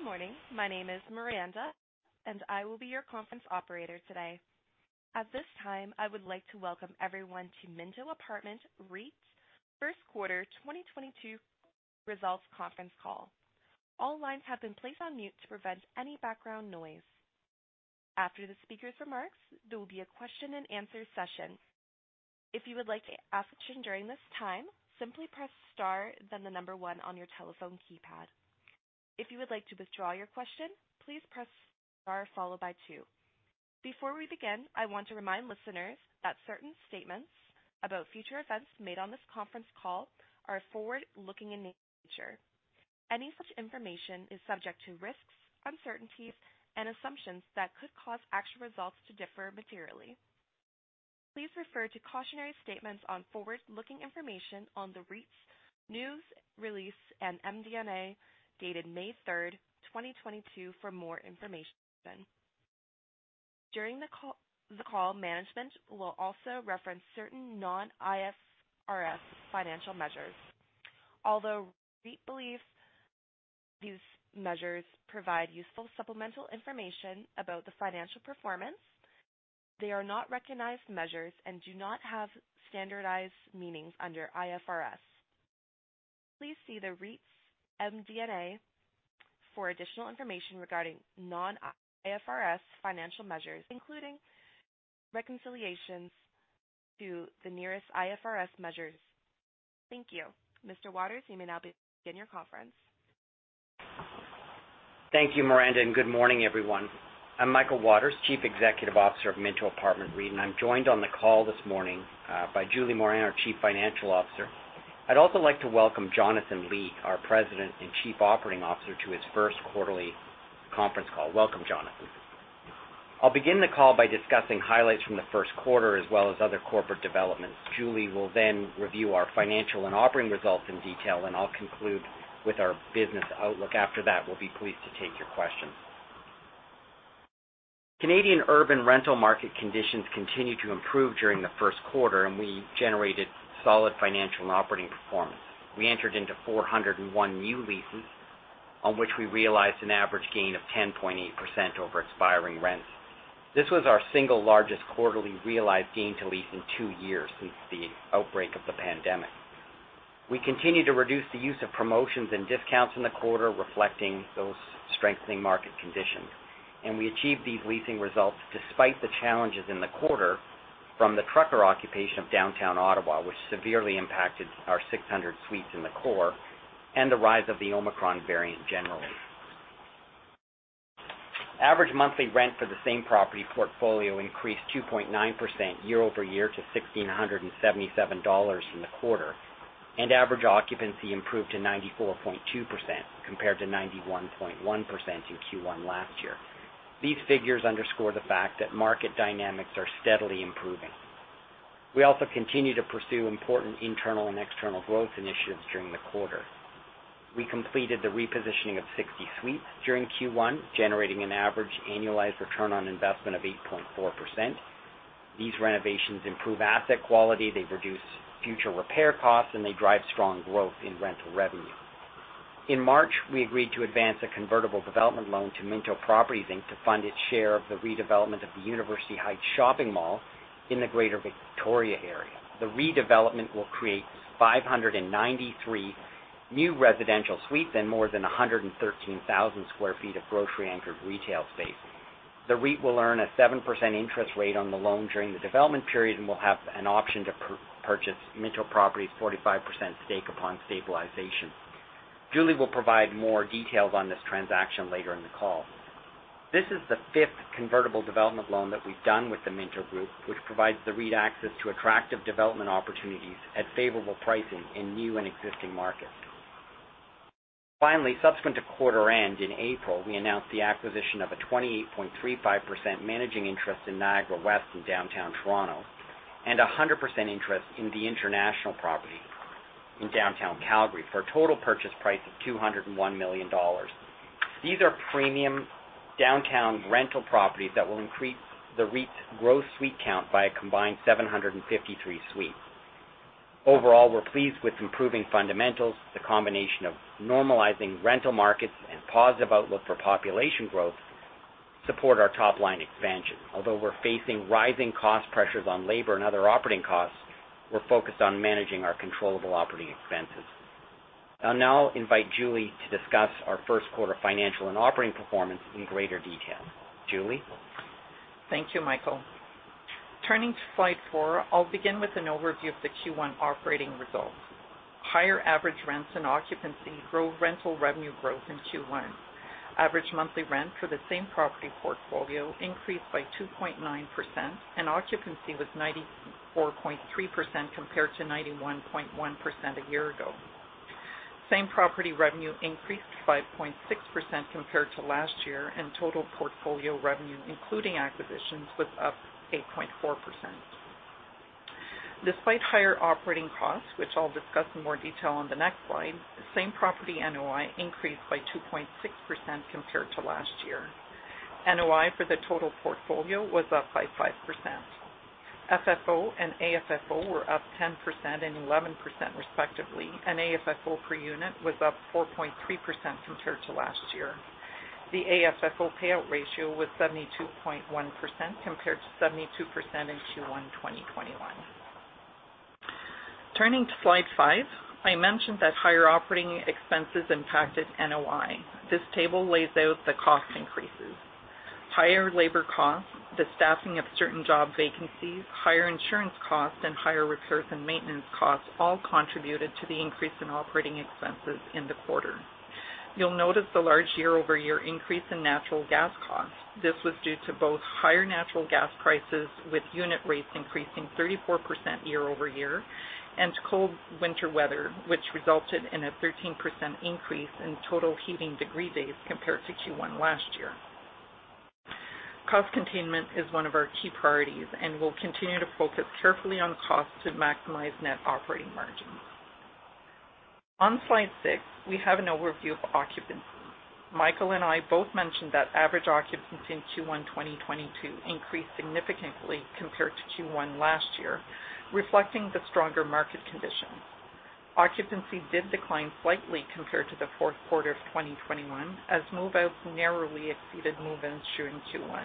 Good morning. My name is Miranda, and I will be your conference operator today. At this time, I would like to welcome everyone to Minto Apartment REIT first quarter 2022 results conference call. All lines have been placed on mute to prevent any background noise. After the speaker's remarks, there will be a question-and-answer session. If you would like to ask a question during this time, simply press star then the number one on your telephone keypad. If you would like to withdraw your question, please press star followed by two. Before we begin, I want to remind listeners that certain statements about future events made on this conference call are forward-looking in nature. Any such information is subject to risks, uncertainties, and assumptions that could cause actual results to differ materially. Please refer to cautionary statements on forward-looking information on the REIT's news release and MD&A dated May 3, 2022 for more information. During the call, management will also reference certain non-IFRS financial measures. Although REIT believes these measures provide useful supplemental information about the financial performance, they are not recognized measures and do not have standardized meanings under IFRS. Please see the REIT's MD&A for additional information regarding non-IFRS financial measures, including reconciliations to the nearest IFRS measures. Thank you. Mr. Waters, you may now begin your conference. Thank you, Miranda, and good morning, everyone. I'm Michael Waters, Chief Executive Officer of Minto Apartment REIT, and I'm joined on the call this morning by Julie Morin, our Chief Financial Officer. I'd also like to welcome Jonathan Li, our President and Chief Operating Officer, to his first quarterly conference call. Welcome, Jonathan. I'll begin the call by discussing highlights from the first quarter, as well as other corporate developments. Julie will then review our financial and operating results in detail, and I'll conclude with our business outlook. After that, we'll be pleased to take your questions. Canadian urban rental market conditions continued to improve during the first quarter, and we generated solid financial and operating performance. We entered into 401 new leases, on which we realized an average gain of 10.8% over expiring rents. This was our single largest quarterly realized gain to lease in two years since the outbreak of the pandemic. We continued to reduce the use of promotions and discounts in the quarter, reflecting those strengthening market conditions. We achieved these leasing results despite the challenges in the quarter from the trucker occupation of downtown Ottawa, which severely impacted our 600 suites in the core, and the rise of the Omicron variant generally. Average monthly rent for the same property portfolio increased 2.9% year-over-year to 1,677 dollars in the quarter, and average occupancy improved to 94.2%, compared to 91.1% in Q1 last year. These figures underscore the fact that market dynamics are steadily improving. We also continue to pursue important internal and external growth initiatives during the quarter. We completed the repositioning of 60 suites during Q1, generating an average annualized return on investment of 8.4%. These renovations improve asset quality, they reduce future repair costs, and they drive strong growth in rental revenue. In March, we agreed to advance a convertible development loan to Minto Properties Inc. to fund its share of the redevelopment of the University Heights Shopping Mall in the Greater Victoria area. The redevelopment will create 593 new residential suites and more than 113,000 sq ft of grocery-anchored retail space. The REIT will earn a 7% interest rate on the loan during the development period and will have an option to purchase Minto Properties' 45% stake upon stabilization. Julie will provide more details on this transaction later in the call. This is the fifth convertible development loan that we've done with the Minto Group, which provides the REIT access to attractive development opportunities at favorable pricing in new and existing markets. Finally, subsequent to quarter end in April, we announced the acquisition of a 28.35% managing interest in Niagara West in downtown Toronto and a 100% interest in the International Property in downtown Calgary for a total purchase price of 201 million dollars. These are premium downtown rental properties that will increase the REIT's gross suite count by a combined 753 suites. Overall, we're pleased with improving fundamentals. The combination of normalizing rental markets and positive outlook for population growth support our top-line expansion. Although we're facing rising cost pressures on labor and other operating costs, we're focused on managing our controllable operating expenses. I'll now invite Julie to discuss our first quarter financial and operating performance in greater detail. Julie? Thank you, Michael. Turning to slide four, I'll begin with an overview of the Q1 operating results. Higher average rents and occupancy drove rental revenue growth in Q1. Average monthly rent for the same property portfolio increased by 2.9%, and occupancy was 94.3% compared to 91.1% a year ago. Same property revenue increased 5.6% compared to last year, and total portfolio revenue, including acquisitions, was up 8.4%. Despite higher operating costs, which I'll discuss in more detail on the next slide, same-property NOI increased by 2.6% compared to last year. NOI for the total portfolio was up by 5%. FFO and AFFO were up 10% and 11% respectively, and AFFO per unit was up 4.3% compared to last year. The AFFO payout ratio was 72.1% compared to 72% in Q1 2021. Turning to slide five, I mentioned that higher operating expenses impacted NOI. This table lays out the cost increases. Higher labor costs, the staffing of certain job vacancies, higher insurance costs, and higher repairs and maintenance costs all contributed to the increase in operating expenses in the quarter. You'll notice the large year-over-year increase in natural gas costs. This was due to both higher natural gas prices, with unit rates increasing 34% year-over-year, and cold winter weather, which resulted in a 13% increase in total heating degree days compared to Q1 last year. Cost containment is one of our key priorities, and we'll continue to focus carefully on costs to maximize net operating margins. On slide six, we have an overview of occupancy. Michael and I both mentioned that average occupancy in Q1 2022 increased significantly compared to Q1 last year, reflecting the stronger market conditions. Occupancy did decline slightly compared to the fourth quarter of 2021 as move-outs narrowly exceeded move-ins during Q1.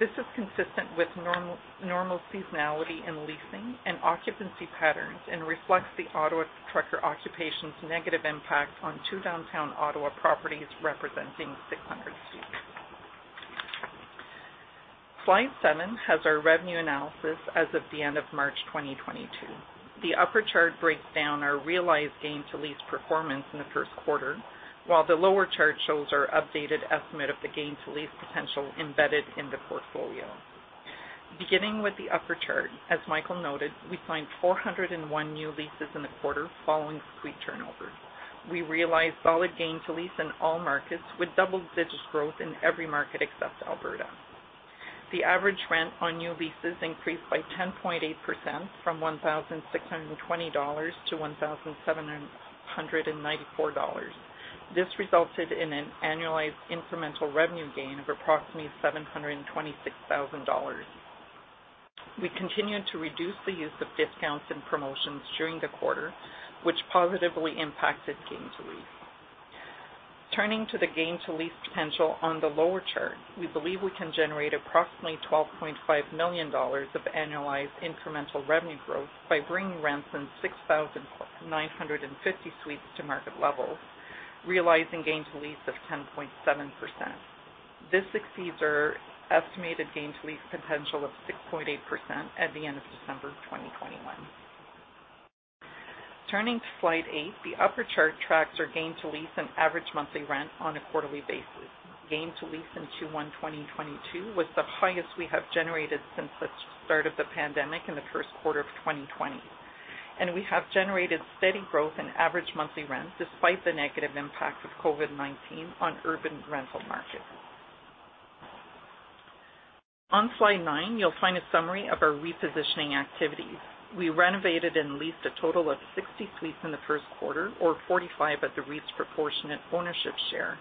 This is consistent with normal seasonality in leasing and occupancy patterns and reflects the Ottawa trucker occupation's negative impact on two downtown Ottawa properties representing 600 suites. Slide seven has our revenue analysis as of the end of March 2022. The upper chart breaks down our realized gain-to-lease performance in the first quarter, while the lower chart shows our updated estimate of the gain-to-lease potential embedded in the portfolio. Beginning with the upper chart, as Michael noted, we signed 401 new leases in the quarter following suite turnovers. We realized solid gain to lease in all markets, with double-digit growth in every market except Alberta. The average rent on new leases increased by 10.8% from 1,620-1,794 dollars. This resulted in an annualized incremental revenue gain of approximately 726 thousand dollars. We continued to reduce the use of discounts and promotions during the quarter, which positively impacted gain to lease. Turning to the gain-to-lease potential on the lower chart, we believe we can generate approximately 12.5 million dollars of annualized incremental revenue growth by bringing rents in 6,950 suites to market levels, realizing gain to lease of 10.7%. This exceeds our estimated gain-to-lease potential of 6.8% at the end of December 2021. Turning to slide eight, the upper chart tracks our gain to lease and average monthly rent on a quarterly basis. Gain to lease in Q1 2022 was the highest we have generated since the start of the pandemic in the first quarter of 2020, and we have generated steady growth in average monthly rents despite the negative impacts of COVID-19 on urban rental markets. On slide nine, you'll find a summary of our repositioning activities. We renovated and leased a total of 60 suites in the first quarter, or 45 at the REIT's proportionate ownership share.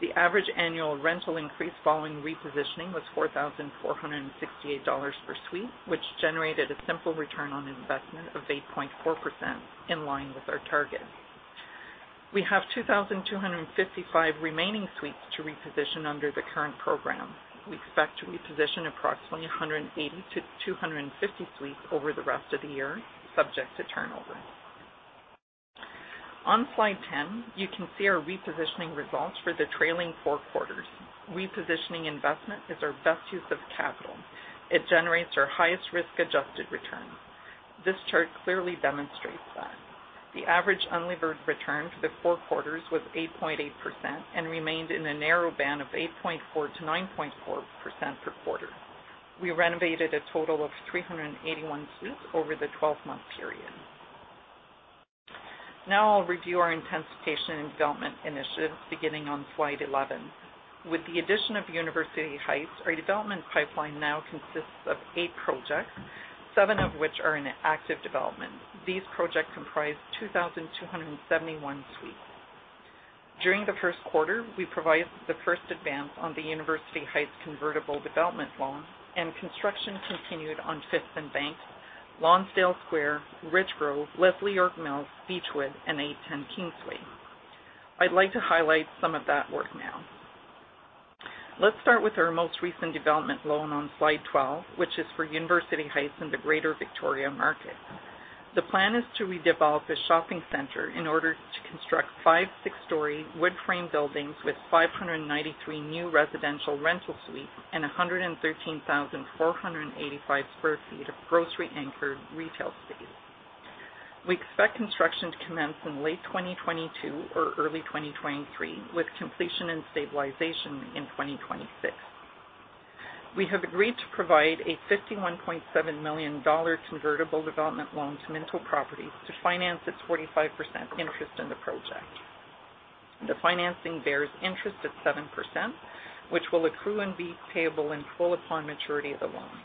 The average annual rental increase following repositioning was 4,468 dollars per suite, which generated a simple return on investment of 8.4%, in line with our targets. We have 2,255 remaining suites to reposition under the current program. We expect to reposition approximately 180-250 suites over the rest of the year, subject to turnover. On slide 10, you can see our repositioning results for the trailing four quarters. Repositioning investment is our best use of capital. It generates our highest risk-adjusted return. This chart clearly demonstrates that. The average unlevered return for the four quarters was 8.8% and remained in a narrow band of 8.4%-9.4% per quarter. We renovated a total of 381 suites over the 12-month period. Now I'll review our intensification and development initiatives beginning on slide 11. With the addition of University Heights, our development pipeline now consists of eight projects, seven of which are in active development. These projects comprise 2,271 suites. During the first quarter, we provided the first advance on the University Heights convertible development loan and construction continued on Fifth and Bank, Lonsdale Square, Richgrove, Leslie York Mills, Beechwood, and 810 Kingsway. I'd like to highlight some of that work now. Let's start with our most recent development loan on slide 12, which is for University Heights in the Greater Victoria market. The plan is to redevelop a shopping center in order to construct five- and six-story wood-frame buildings with 593 new residential rental suites and 113,485 sq ft of grocery-anchored retail space. We expect construction to commence in late 2022 or early 2023, with completion and stabilization in 2026. We have agreed to provide a 51.7 million dollar convertible development loan to Minto Properties to finance its 45% interest in the project. The financing bears interest at 7%, which will accrue and be payable in full upon maturity of the loan.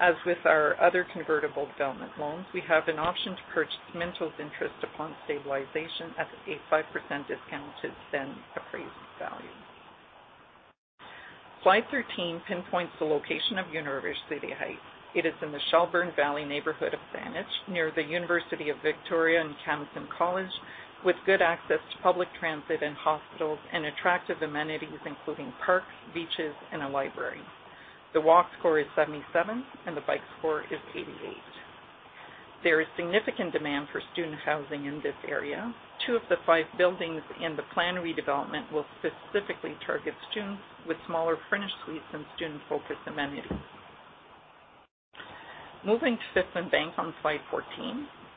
As with our other convertible development loans, we have an option to purchase Minto's interest upon stabilization at a 5% discount to then appraised value. Slide 13 pinpoints the location of University Heights. It is in the Shelbourne Valley neighborhood of Saanich, near the University of Victoria and Camosun College, with good access to public transit and hospitals and attractive amenities including parks, beaches, and a library. The walk score is 77 and the bike score is 88. There is significant demand for student housing in this area. Two of the five buildings in the planned redevelopment will specifically target students with smaller furnished suites and student-focused amenities. Moving to Fifth and Bank on slide 14.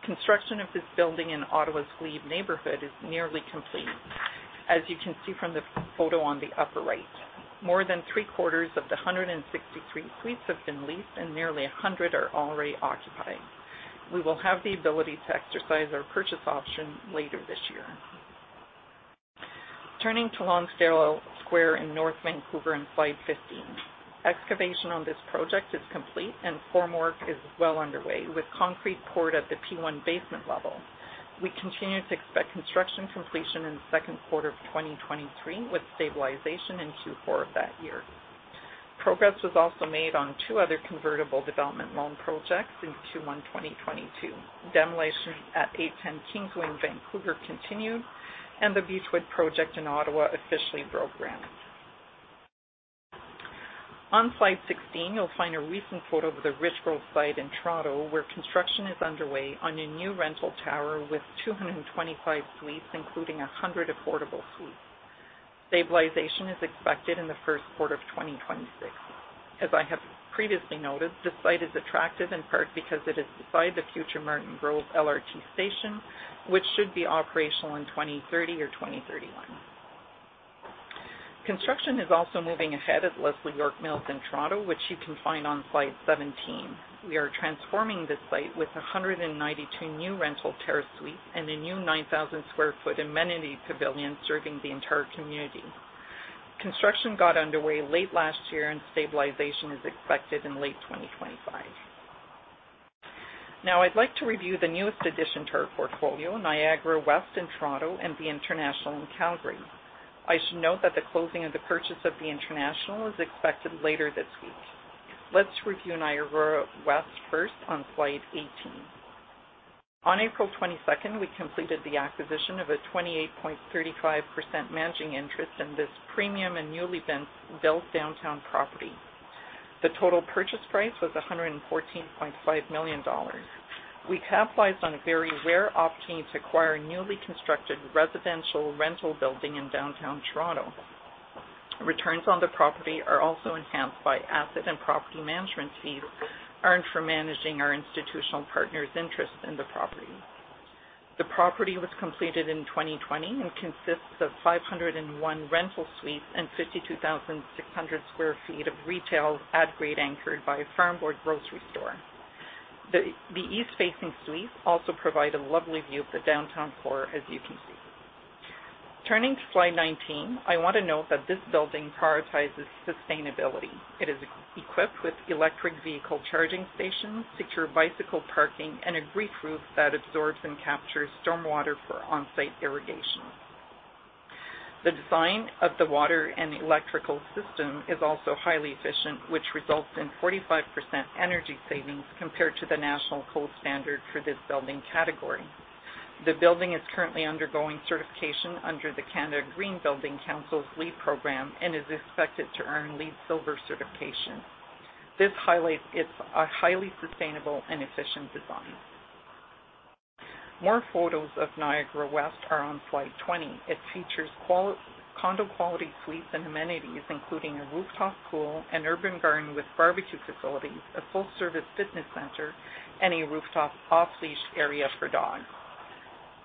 Construction of this building in Ottawa's Glebe neighborhood is nearly complete, as you can see from the photo on the upper right. More than three-quarters of the 163 suites have been leased, and nearly 100 are already occupied. We will have the ability to exercise our purchase option later this year. Turning to Lonsdale Square in North Vancouver in slide 15. Excavation on this project is complete, and form work is well underway, with concrete poured at the P1 basement level. We continue to expect construction completion in the second quarter of 2023, with stabilization in Q4 of that year. Progress was also made on two other convertible development loan projects in Q1 2022. Demolition at 810 Kingsway in Vancouver continued, and the Beechwood project in Ottawa officially broke ground. On slide 16, you'll find a recent photo of the Richgrove site in Toronto, where construction is underway on a new rental tower with 225 suites, including 100 affordable suites. Stabilization is expected in the first quarter of 2026. As I have previously noted, this site is attractive in part because it is beside the future Martin Grove LRT station, which should be operational in 2030 or 2031. Construction is also moving ahead at Leslie York Mills in Toronto, which you can find on slide 17. We are transforming this site with 192 new rental tower suites and a new 9,000 sq ft amenity pavilion serving the entire community. Construction got underway late last year, and stabilization is expected in late 2025. Now I'd like to review the newest addition to our portfolio, Niagara West in Toronto and The International in Calgary. I should note that the closing of the purchase of The International is expected later this week. Let's review Niagara West first on slide 18. On April 22nd, we completed the acquisition of a 28.35% managing interest in this premium and newly built downtown property. The total purchase price was 114.5 million dollars. We capitalized on a very rare opportunity to acquire a newly constructed residential rental building in downtown Toronto. Returns on the property are also enhanced by asset and property management fees earned from managing our institutional partner's interest in the property. The property was completed in 2020 and consists of 501 rental suites and 52,600 sq ft of retail at-grade anchor by a Farm Boy grocery store. The east-facing suites also provide a lovely view of the downtown core as you can see. Turning to slide 19, I want to note that this building prioritizes sustainability. It is equipped with electric vehicle charging stations, secure bicycle parking, and a green roof that absorbs and captures stormwater for on-site irrigation. The design of the water and electrical system is also highly efficient, which results in 45% energy savings compared to the national code standard for this building category. The building is currently undergoing certification under the Canada Green Building Council's LEED program and is expected to earn LEED Silver certification. This highlights its highly sustainable and efficient design. More photos of Niagara West are on slide 20. It features condo quality suites and amenities, including a rooftop pool, an urban garden with barbecue facilities, a full-service fitness center, and a rooftop off-leash area for dogs.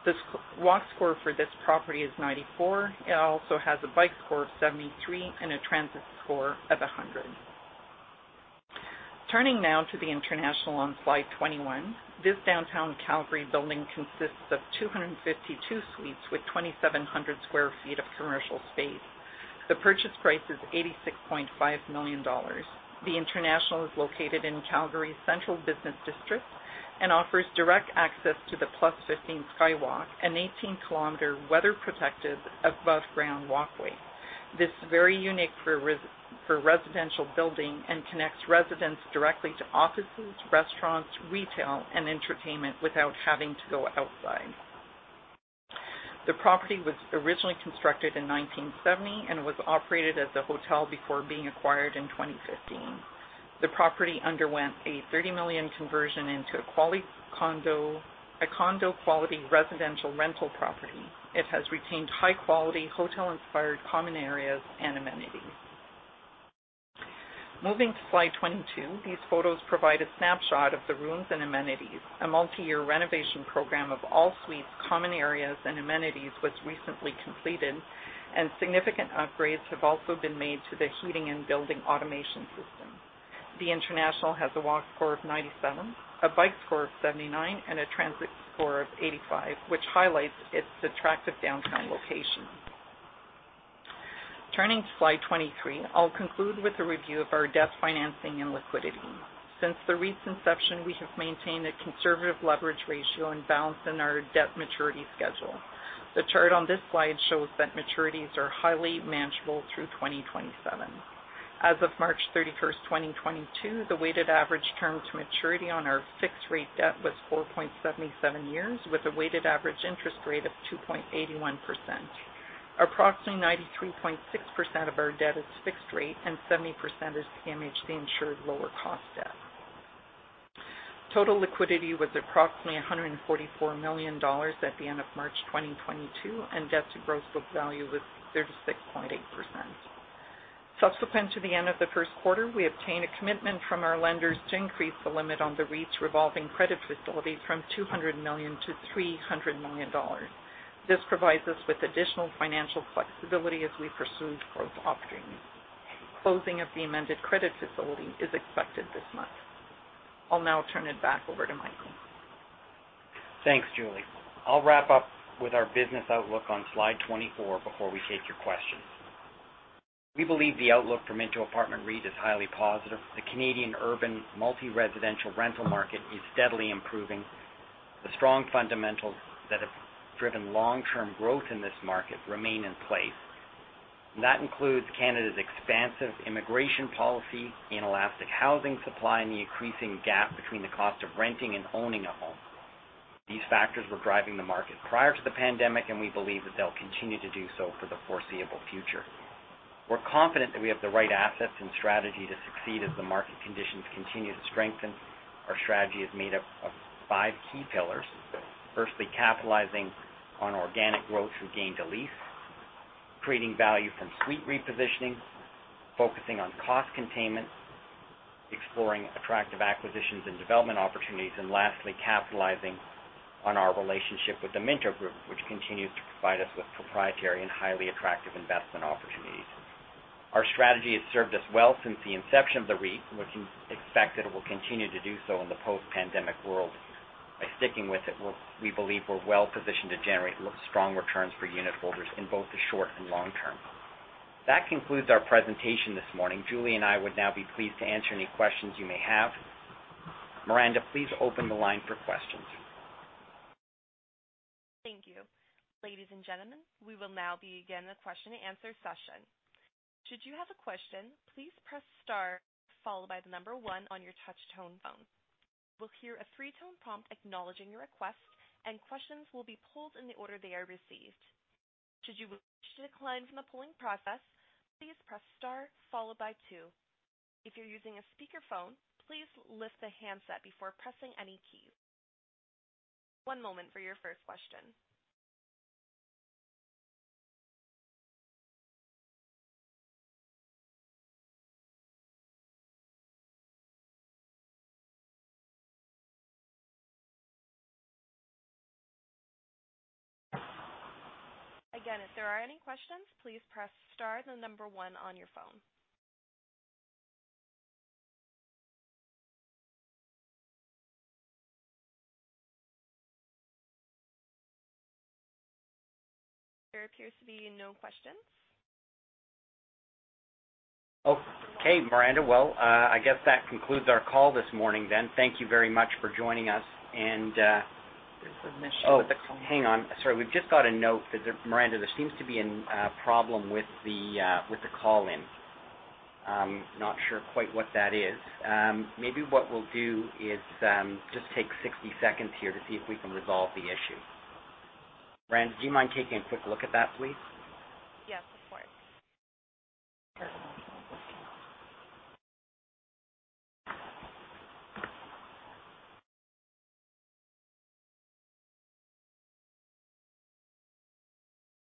The Walk Score for this property is 94. It also has a Bike Score of 73 and a Transit Score of 100. Turning now to The International on slide 21. This downtown Calgary building consists of 252 suites with 2,700 sq ft of commercial space. The purchase price is 86.5 million dollars. The International is located in Calgary's Central Business District and offers direct access to the Plus 15 Skywalk, an 18-km weather-protected above-ground walkway. This is very unique for residential building and connects residents directly to offices, restaurants, retail, and entertainment without having to go outside. The property was originally constructed in 1970 and was operated as a hotel before being acquired in 2015. The property underwent a 30 million conversion into a quality condo, a condo-quality residential rental property. It has retained high-quality, hotel-inspired common areas and amenities. Moving to slide 22, these photos provide a snapshot of the rooms and amenities. A multi-year renovation program of all suites, common areas, and amenities was recently completed, and significant upgrades have also been made to the heating and building automation system. The International has a walk score of 97, a bike score of 79, and a transit score of 85, which highlights its attractive downtown location. Turning to slide 23, I'll conclude with a review of our debt financing and liquidity. Since the REIT's inception, we have maintained a conservative leverage ratio and balance in our debt maturity schedule. The chart on this slide shows that maturities are highly manageable through 2027. As of March 31, 2022, the weighted average term to maturity on our fixed-rate debt was 4.77 years, with a weighted average interest rate of 2.81%. Approximately 93.6% of our debt is fixed-rate and 70% is CMHC-insured lower-cost debt. Total liquidity was approximately 144 million dollars at the end of March 2022, and debt-to-gross book value was 36.8%. Subsequent to the end of the first quarter, we obtained a commitment from our lenders to increase the limit on the REIT's revolving credit facility from 200 million-300 million dollars. This provides us with additional financial flexibility as we pursue growth opportunities. Closing of the amended credit facility is expected this month. I'll now turn it back over to Michael. Thanks, Julie. I'll wrap up with our business outlook on slide 24 before we take your questions. We believe the outlook for Minto Apartment REIT is highly positive. The Canadian urban multi-residential rental market is steadily improving. The strong fundamentals that have driven long-term growth in this market remain in place. That includes Canada's expansive immigration policy, inelastic housing supply, and the increasing gap between the cost of renting and owning a home. These factors were driving the market prior to the pandemic, and we believe that they'll continue to do so for the foreseeable future. We're confident that we have the right assets and strategy to succeed as the market conditions continue to strengthen. Our strategy is made up of five key pillars. Firstly, capitalizing on organic growth through gain to lease, creating value from suite repositioning, focusing on cost containment, exploring attractive acquisitions and development opportunities, and lastly, capitalizing on our relationship with The Minto Group, which continues to provide us with proprietary and highly attractive investment opportunities. Our strategy has served us well since the inception of the REIT, which we expect that it will continue to do so in the post-pandemic world. By sticking with it, we believe we're well-positioned to generate strong returns for unitholders in both the short and long term. That concludes our presentation this morning. Julie and I would now be pleased to answer any questions you may have. Miranda, please open the line for questions. Thank you. Ladies and gentlemen, we will now begin the question-and-answer session. Should you have a question, please press star followed by the number one on your touch-tone phone. You will hear a three-tone prompt acknowledging your request, and questions will be pulled in the order they are received. Should you wish to decline from the polling process, please press star followed by two. If you're using a speakerphone, please lift the handset before pressing any keys. One moment for your first question. Again, if there are any questions, please press star then the number one on your phone. There appears to be no questions. Okay, Miranda. Well, I guess that concludes our call this morning then. Thank you very much for joining us. There's an issue with the call. Oh, hang on. Sorry, we've just got a note. Miranda, there seems to be a problem with the call-in. Not sure quite what that is. Maybe what we'll do is just take 60 seconds here to see if we can resolve the issue. Miranda, do you mind taking a quick look at that, please? Yes, of course.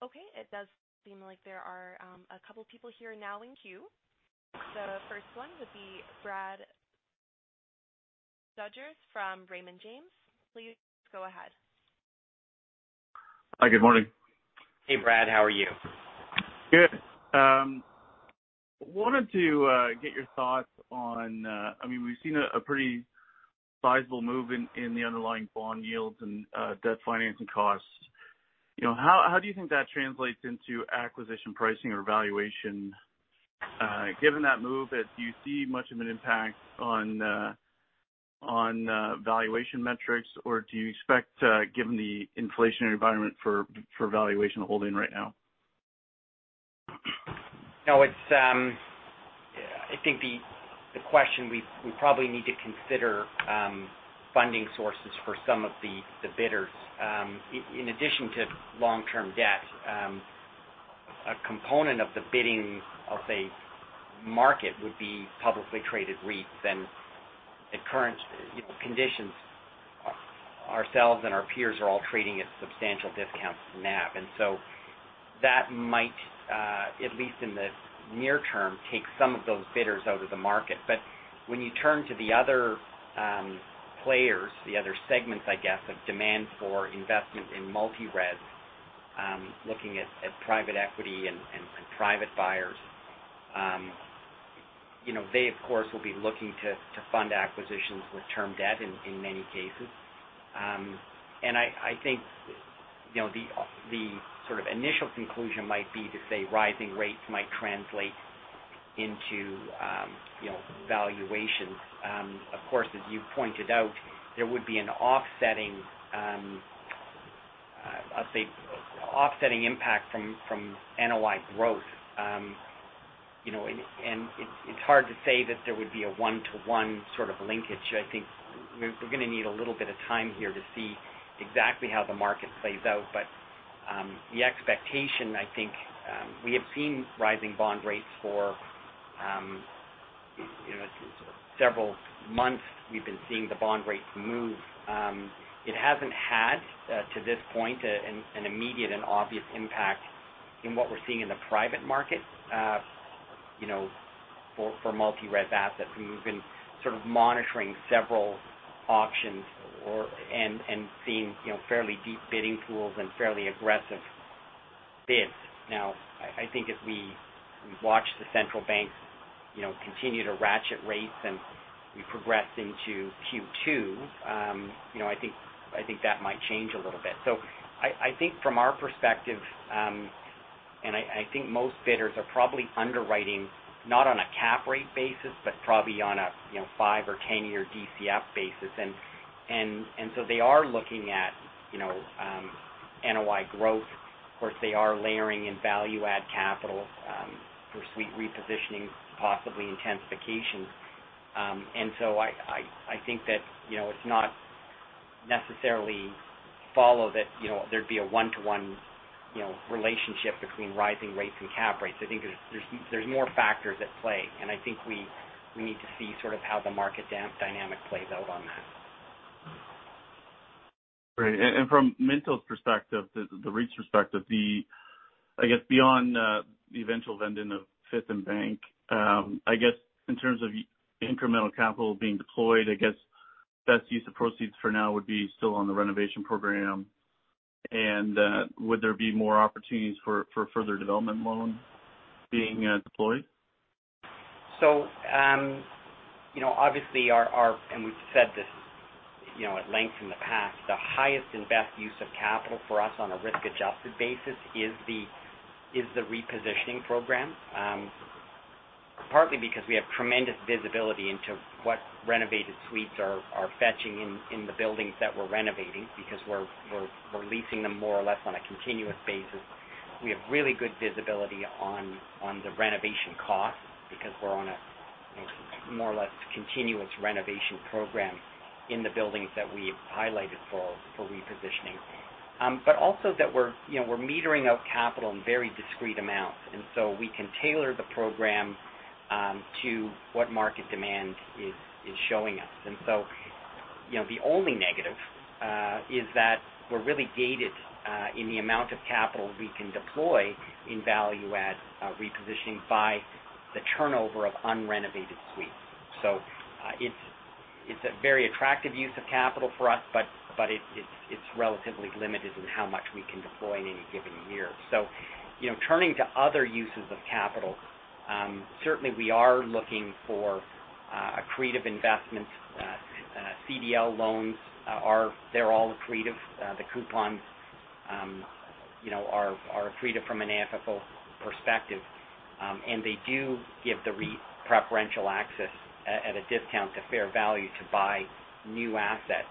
Okay. It does seem like there are a couple people here now in queue. The first one would be Brad Sturges from Raymond James. Please go ahead. Hi. Good morning. Hey, Brad. How are you? Good. Wanted to get your thoughts on. I mean, we've seen a pretty sizable move in the underlying bond yields and debt financing costs. You know, how do you think that translates into acquisition pricing or valuation? Given that move, do you see much of an impact on valuation metrics, or do you expect, given the inflationary environment for valuation to hold in right now? No, it's. Yeah, I think the question we probably need to consider funding sources for some of the bidders. In addition to long-term debt, a component of the bidding of a market would be publicly traded REITs and at current, you know, conditions, ourselves and our peers are all trading at substantial discounts to NAV. That might, at least in the near term, take some of those bidders out of the market. When you turn to the other players, the other segments, I guess, of demand for investment in multi-res, looking at private equity and private buyers, you know, they, of course, will be looking to fund acquisitions with term debt in many cases. I think you know, the sort of initial conclusion might be to say rising rates might translate into, you know, valuations. Of course, as you pointed out, there would be an offsetting impact from NOI growth. You know, it's hard to say that there would be a one-to-one sort of linkage. I think we're gonna need a little bit of time here to see exactly how the market plays out. The expectation, I think, we have seen rising bond rates for, you know, sort of several months we've been seeing the bond rates move. It hasn't had, to this point, an immediate and obvious impact in what we're seeing in the private market, you know, for multi-res assets. We've been sort of monitoring several auctions and seeing, you know, fairly deep bidding pools and fairly aggressive bids. Now, I think as we watch the central banks, you know, continue to ratchet rates, and we progress into Q2, you know, I think that might change a little bit. I think from our perspective, I think most bidders are probably underwriting not on a cap rate basis, but probably on a, you know, 5- or 10-year DCF basis. They are looking at, you know, NOI growth. Of course, they are layering in value add capital for suite repositioning, possibly intensification. I think that, you know, it's not necessarily follow that, you know, there'd be a one-to-one, you know, relationship between rising rates and cap rates. I think there's more factors at play, and I think we need to see sort of how the market dynamic plays out on that. Great. From Minto's perspective, the REIT's perspective, I guess beyond the eventual vending of Fifth and Bank, I guess in terms of incremental capital being deployed, I guess best use of proceeds for now would be still on the renovation program. Would there be more opportunities for further development loans being deployed? Obviously our. We've said this, you know, at length in the past, the highest and best use of capital for us on a risk-adjusted basis is the repositioning program. Partly because we have tremendous visibility into what renovated suites are fetching in the buildings that we're renovating because we're leasing them more or less on a continuous basis. We have really good visibility on the renovation costs because we're on a, you know, more or less continuous renovation program in the buildings that we've highlighted for repositioning. But also that we're, you know, we're metering out capital in very discrete amounts, and so we can tailor the program to what market demand is showing us. You know, the only negative is that we're really gated in the amount of capital we can deploy in value add repositioning by the turnover of unrenovated suites. It's a very attractive use of capital for us, but it's relatively limited in how much we can deploy in any given year. You know, turning to other uses of capital, certainly we are looking for accretive investments. CDL loans, they're all accretive. The coupons, you know, are accretive from an AFFO perspective. They do give the REIT preferential access at a discount to fair value to buy new assets,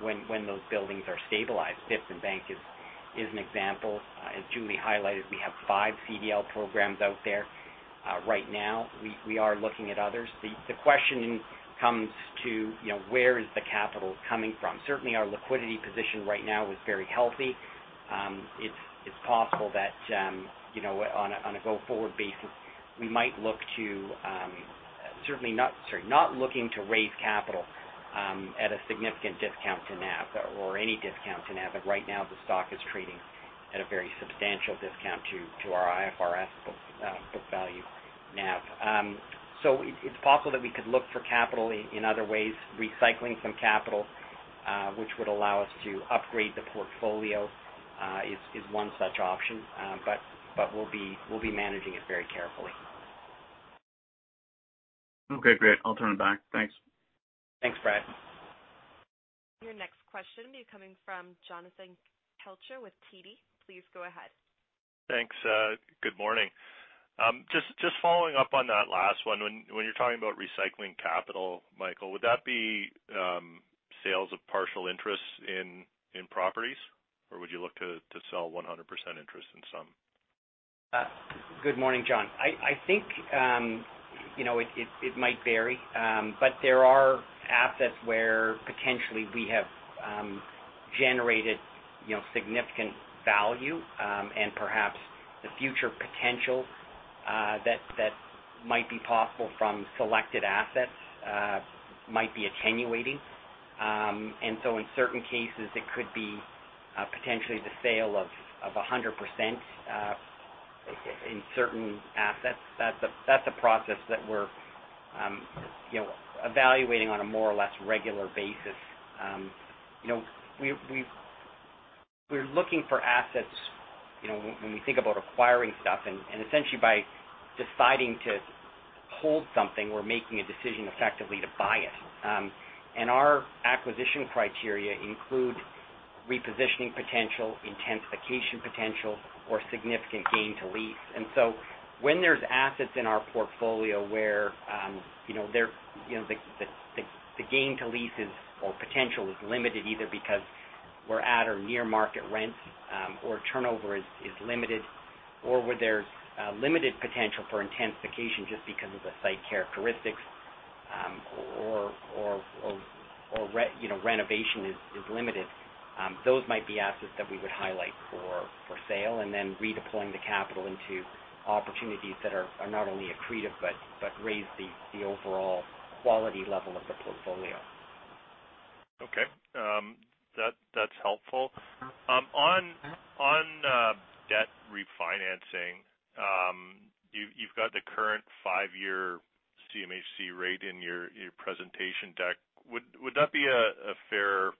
when those buildings are stabilized. Fifth and Bank is an example. As Julie highlighted, we have five CDL programs out there. Right now we are looking at others. The question comes to, you know, where is the capital coming from? Certainly, our liquidity position right now is very healthy. It's possible that, you know, on a go-forward basis, not looking to raise capital at a significant discount to NAV or any discount to NAV, but right now the stock is trading at a very substantial discount to our IFRS book value NAV. It's possible that we could look for capital in other ways. Recycling some capital, which would allow us to upgrade the portfolio, is one such option. We'll be managing it very carefully. Okay, great. I'll turn it back. Thanks. Thanks, Brad. Your next question will be coming from Jonathan Kelcher with TD. Please go ahead. Thanks. Good morning. Just following up on that last one. When you're talking about recycling capital, Michael, would that be sales of partial interests in properties? Or would you look to sell 100% interest in some? Good morning, Jon. I think you know, it might vary. There are assets where potentially we have generated you know, significant value and perhaps the future potential that might be possible from selected assets might be attenuating. In certain cases, it could be potentially the sale of 100% in certain assets. That's a process that we're you know, evaluating on a more or less regular basis. You know, we're looking for assets, you know, when we think about acquiring stuff. Essentially by deciding to hold something, we're making a decision effectively to buy it. Our acquisition criteria include repositioning potential, intensification potential, or significant gain to lease. When there's assets in our portfolio where you know the gain to lease or potential is limited, either because we're at or near market rent, or turnover is limited or where there's limited potential for intensification just because of the site characteristics, or renovation is limited. Those might be assets that we would highlight for sale, and then redeploying the capital into opportunities that are not only accretive but raise the overall quality level of the portfolio. Okay. That, that's helpful. Mm-hmm. On debt refinancing, you've got the current five-year CMHC rate in your presentation deck. Would that be a fair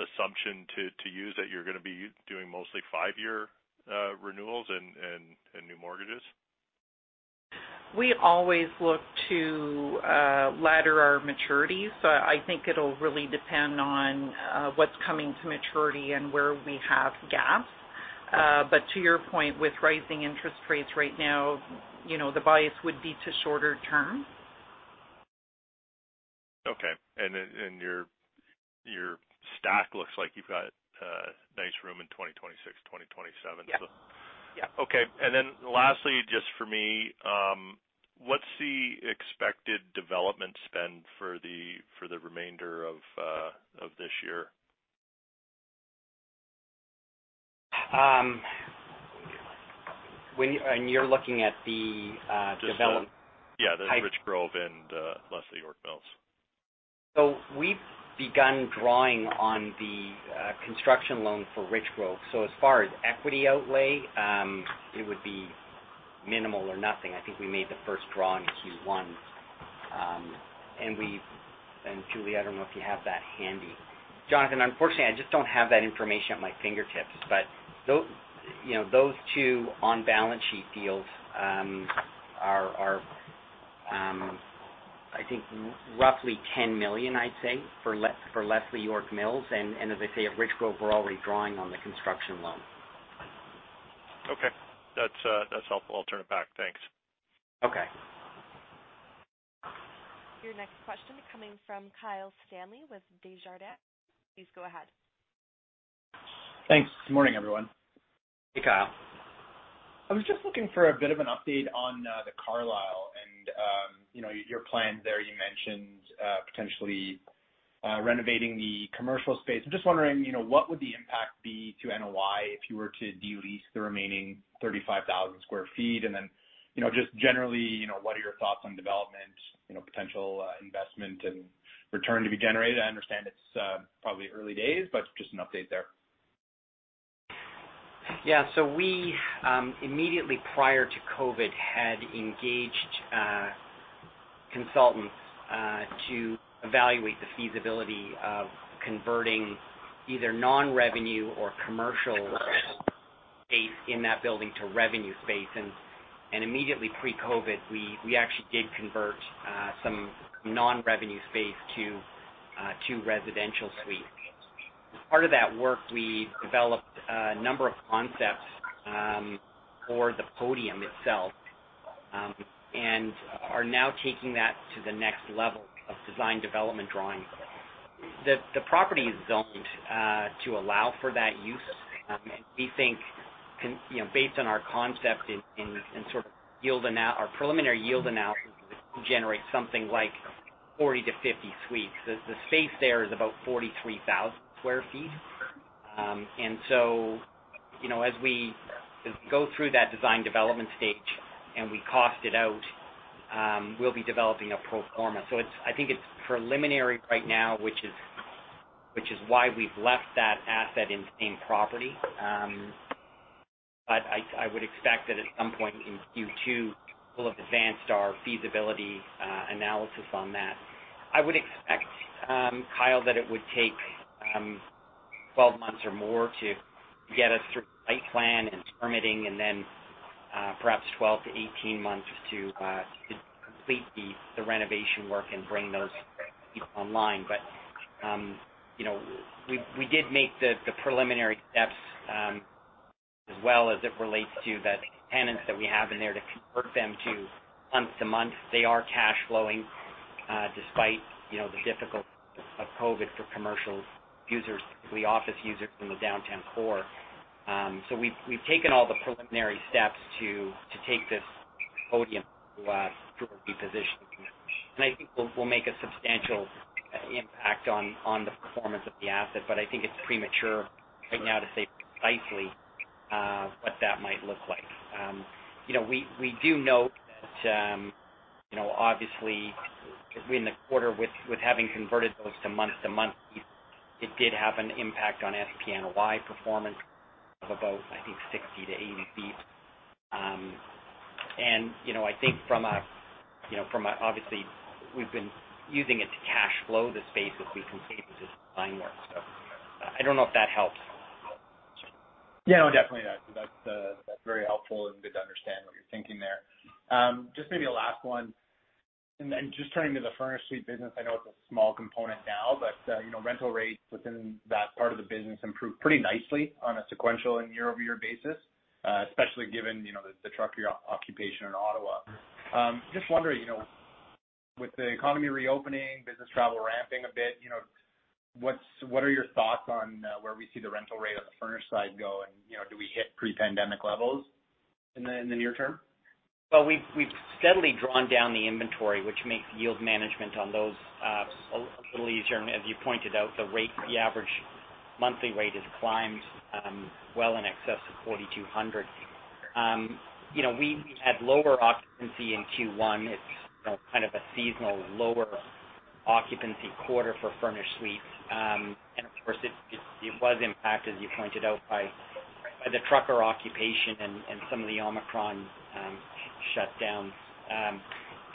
assumption to use that you're gonna be doing mostly five-year renewals and new mortgages? We always look to ladder our maturities. I think it'll really depend on what's coming to maturity and where we have gaps. To your point, with rising interest rates right now, you know, the bias would be to shorter term. Okay. Your stack looks like you've got nice room in 2026, 2027. Yeah. Yeah. Okay. Lastly, just for me, what's the expected development spend for the remainder of this year? You're looking at the development. Just, yeah. Type- There's Richgrove and Leslie York Mills. We've begun drawing on the construction loan for Richgrove. As far as equity outlay, it would be minimal or nothing. I think we made the first draw in Q1. Julie, I don't know if you have that handy. Jonathan, unfortunately, I just don't have that information at my fingertips. You know, those two on-balance sheet deals are, I think roughly 10 million, I'd say, for Leslie York Mills. As I say, at Richgrove, we're already drawing on the construction loan. Okay. That's helpful. I'll turn it back. Thanks. Okay. Your next question is coming from Kyle Stanley with Desjardins. Please go ahead. Thanks. Good morning, everyone. Hey, Kyle. I was just looking for a bit of an update on The Carlyle and you know your plans there. You mentioned potentially renovating the commercial space. I'm just wondering you know what would the impact be to NOI if you were to de-lease the remaining 35,000 sq ft? Then you know just generally you know what are your thoughts on development you know potential investment and return to be generated? I understand it's probably early days but just an update there. Yeah. We immediately prior to COVID had engaged consultants to evaluate the feasibility of converting either non-revenue or commercial space in that building to revenue space. Immediately pre-COVID, we actually did convert some non-revenue space to residential suites. As part of that work, we developed a number of concepts for the podium itself and are now taking that to the next level of design development drawings. The property is zoned to allow for that use. We think, you know, based on our concept in our preliminary yield analysis, it would generate something like 40-50 suites. The space there is about 43,000 sq ft. You know, as we go through that design development stage and we cost it out, we'll be developing a pro forma. It's preliminary right now, which is why we've left that asset in property. I would expect that at some point in Q2, we'll have advanced our feasibility analysis on that. I would expect, Kyle, that it would take 12 months or more to get us through site plan and permitting and then perhaps 12-18 months to complete the renovation work and bring those online. You know, we did make the preliminary steps as well as it relates to the tenants that we have in there to convert them to month-to-month. They are cash flowing, despite, you know, the difficulties of COVID for commercial users, particularly office users in the downtown core. We've taken all the preliminary steps to take this podium through reposition. I think we'll make a substantial impact on the performance of the asset, but I think it's premature right now to say precisely what that might look like. You know, we do note that, you know, obviously in the quarter with having converted those to month-to-month leases, it did have an impact on SPNOI performance of about, I think, 60-80 basis points. You know, I think from a, obviously, we've been using it to cash flow the space as we complete the design work. I don't know if that helps. Yeah. No, definitely that's very helpful and good to understand what you're thinking there. Just maybe a last one. Just turning to the furnished suite business, I know it's a small component now, but, you know, rental rates within that part of the business improved pretty nicely on a sequential and year-over-year basis, especially given, you know, the trucker occupation in Ottawa. Just wondering, you know, with the economy reopening, business travel ramping a bit, you know, what are your thoughts on where we see the rental rate on the furnished side going? You know, do we hit pre-pandemic levels in the near term? Well, we've steadily drawn down the inventory, which makes yield management on those a little easier. As you pointed out, the average monthly rate has climbed well in excess of 4,200. You know, we had lower occupancy in Q1. It's you know kind of a seasonal lower occupancy quarter for furnished suites. Of course, it was impacted, as you pointed out, by the trucker occupation and some of the Omicron shutdowns.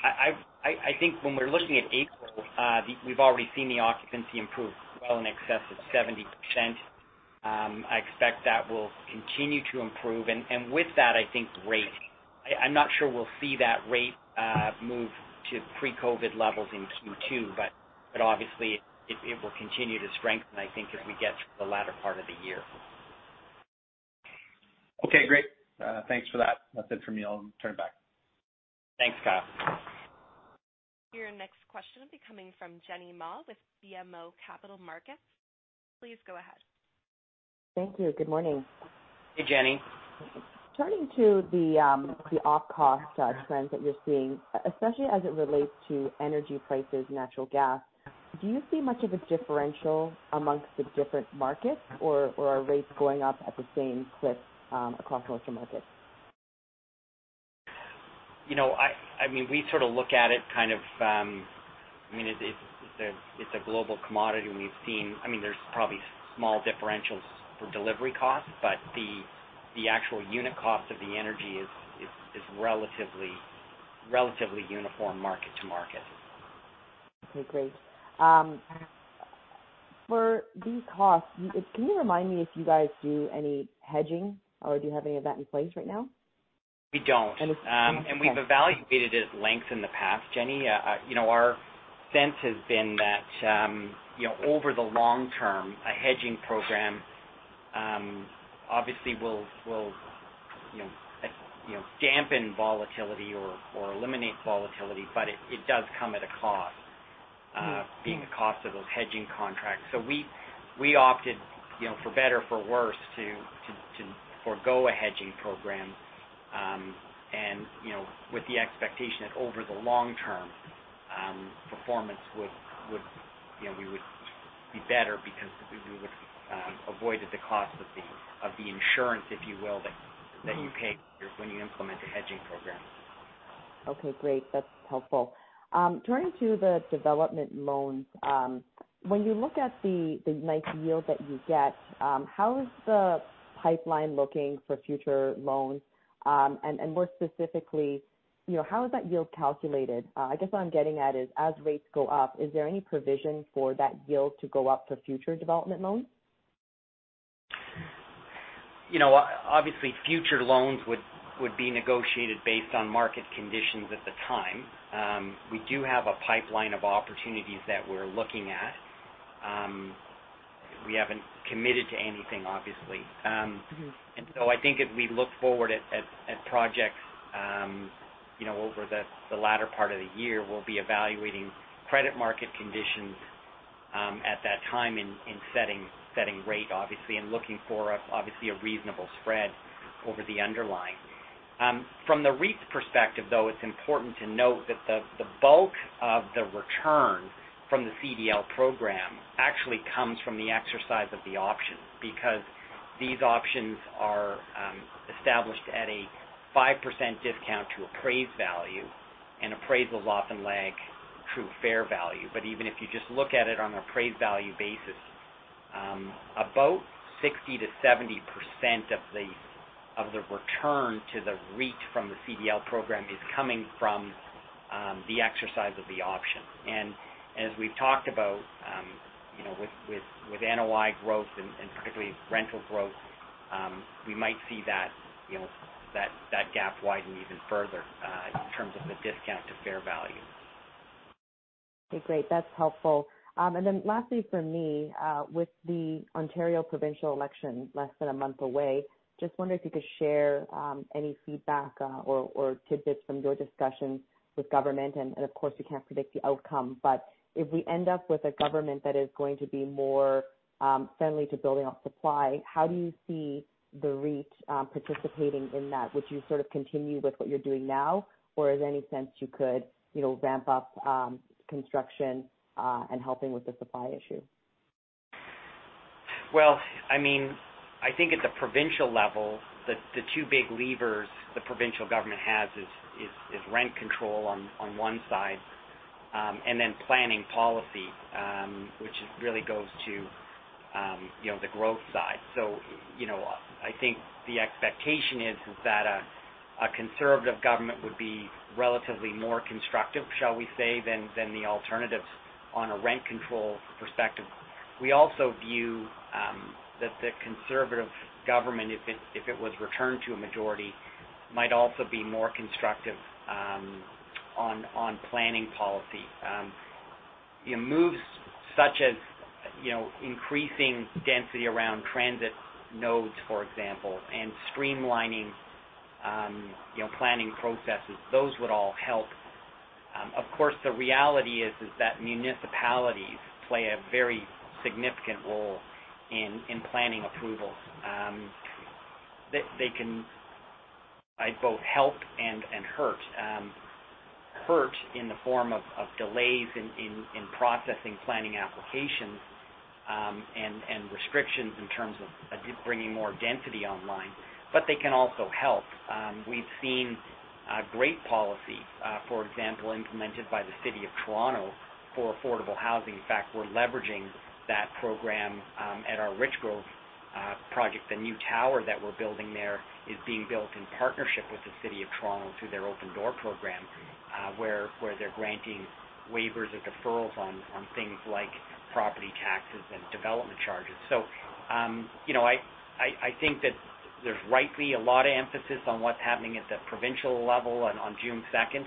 I think when we're looking at April, we've already seen the occupancy improve well in excess of 70%. I expect that will continue to improve. With that, I think rate. I'm not sure we'll see that rate move to pre-COVID levels in Q2, but obviously it will continue to strengthen, I think, as we get to the latter part of the year. Okay, great. Thanks for that. That's it for me. I'll turn it back. Thanks, Kyle. Your next question will be coming from Jenny Ma with BMO Capital Markets. Please go ahead. Thank you. Good morning. Hey, Jenny. Turning to the op cost trends that you're seeing, especially as it relates to energy prices, natural gas, do you see much of a differential among the different markets, or are rates going up at the same clip across most of the markets? You know, I mean, we sort of look at it kind of. I mean, it's a global commodity. I mean, there's probably small differentials for delivery costs, but the actual unit cost of the energy is relatively uniform market to market. Okay, great. For these costs, can you remind me if you guys do any hedging or do you have any of that in place right now? We don't. Understood. Okay. We've evaluated it at length in the past, Jenny. You know, our sense has been that, you know, over the long term, a hedging program obviously will you know dampen volatility or eliminate volatility, but it does come at a cost. Being the cost of those hedging contracts. We opted, you know, for better or for worse to forgo a hedging program, and, you know, with the expectation that over the long term, performance would, you know, we would be better because we would avoided the cost of the insurance, if you will, that you pay when you implement a hedging program. Okay, great. That's helpful. Turning to the development loans, when you look at the nice yield that you get, how is the pipeline looking for future loans? More specifically, you know, how is that yield calculated? I guess what I'm getting at is, as rates go up, is there any provision for that yield to go up for future development loans? You know, obviously, future loans would be negotiated based on market conditions at the time. We do have a pipeline of opportunities that we're looking at. We haven't committed to anything, obviously. I think if we look forward at projects, you know, over the latter part of the year, we'll be evaluating credit market conditions, at that time in setting rate, obviously, and looking for, obviously, a reasonable spread over the underlying. From the REIT's perspective, though, it's important to note that the bulk of the return from the CDL program actually comes from the exercise of the option because these options are established at a 5% discount to appraised value, and appraisals often lag true fair value. Even if you just look at it on an appraised value basis, about 60%-70% of the return to the REIT from the CDL program is coming from the exercise of the option. As we've talked about, you know, with NOI growth and particularly rental growth, we might see that, you know, that gap widen even further, in terms of the discount to fair value. Okay, great. That's helpful. Lastly from me, with the Ontario provincial election less than a month away, just wondering if you could share any feedback or tidbits from your discussions with government. Of course, you can't predict the outcome, but if we end up with a government that is going to be more friendly to building out supply, how do you see the REIT participating in that? Would you sort of continue with what you're doing now? Is there any sense you could, you know, ramp up construction and helping with the supply issue? Well, I mean, I think at the provincial level, the two big levers the provincial government has is rent control on one side, and then planning policy, which really goes to, you know, the growth side. You know, I think the expectation is that a conservative government would be relatively more constructive, shall we say, than the alternatives on a rent control perspective. We also view that the conservative government, if it was returned to a majority, might also be more constructive on planning policy. Moves such as, you know, increasing density around transit nodes, for example, and streamlining, you know, planning processes, those would all help. Of course, the reality is that municipalities play a very significant role in planning approvals. They can both help and hurt. Hurt in the form of delays in processing planning applications, and restrictions in terms of bringing more density online. They can also help. We've seen great policy, for example, implemented by the City of Toronto for affordable housing. In fact, we're leveraging that program at our Richgrove project. The new tower that we're building there is being built in partnership with the City of Toronto through their Open Door program, where they're granting waivers or deferrals on things like property taxes and development charges. You know, I think that there's rightly a lot of emphasis on what's happening at the provincial level on June second.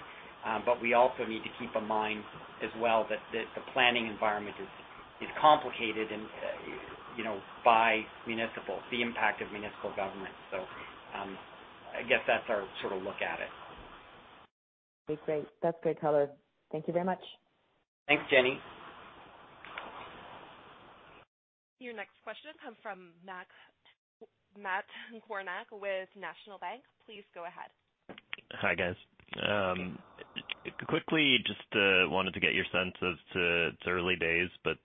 We also need to keep in mind as well that the planning environment is complicated, you know, by the impact of municipal government. I guess that's our sort of look at it. Okay, great. That's great color. Thank you very much. Thanks, Jenny. Your next question comes from Matt Kornack with National Bank. Please go ahead. Hi, guys. Quickly, just wanted to get your sense of, it's early days, but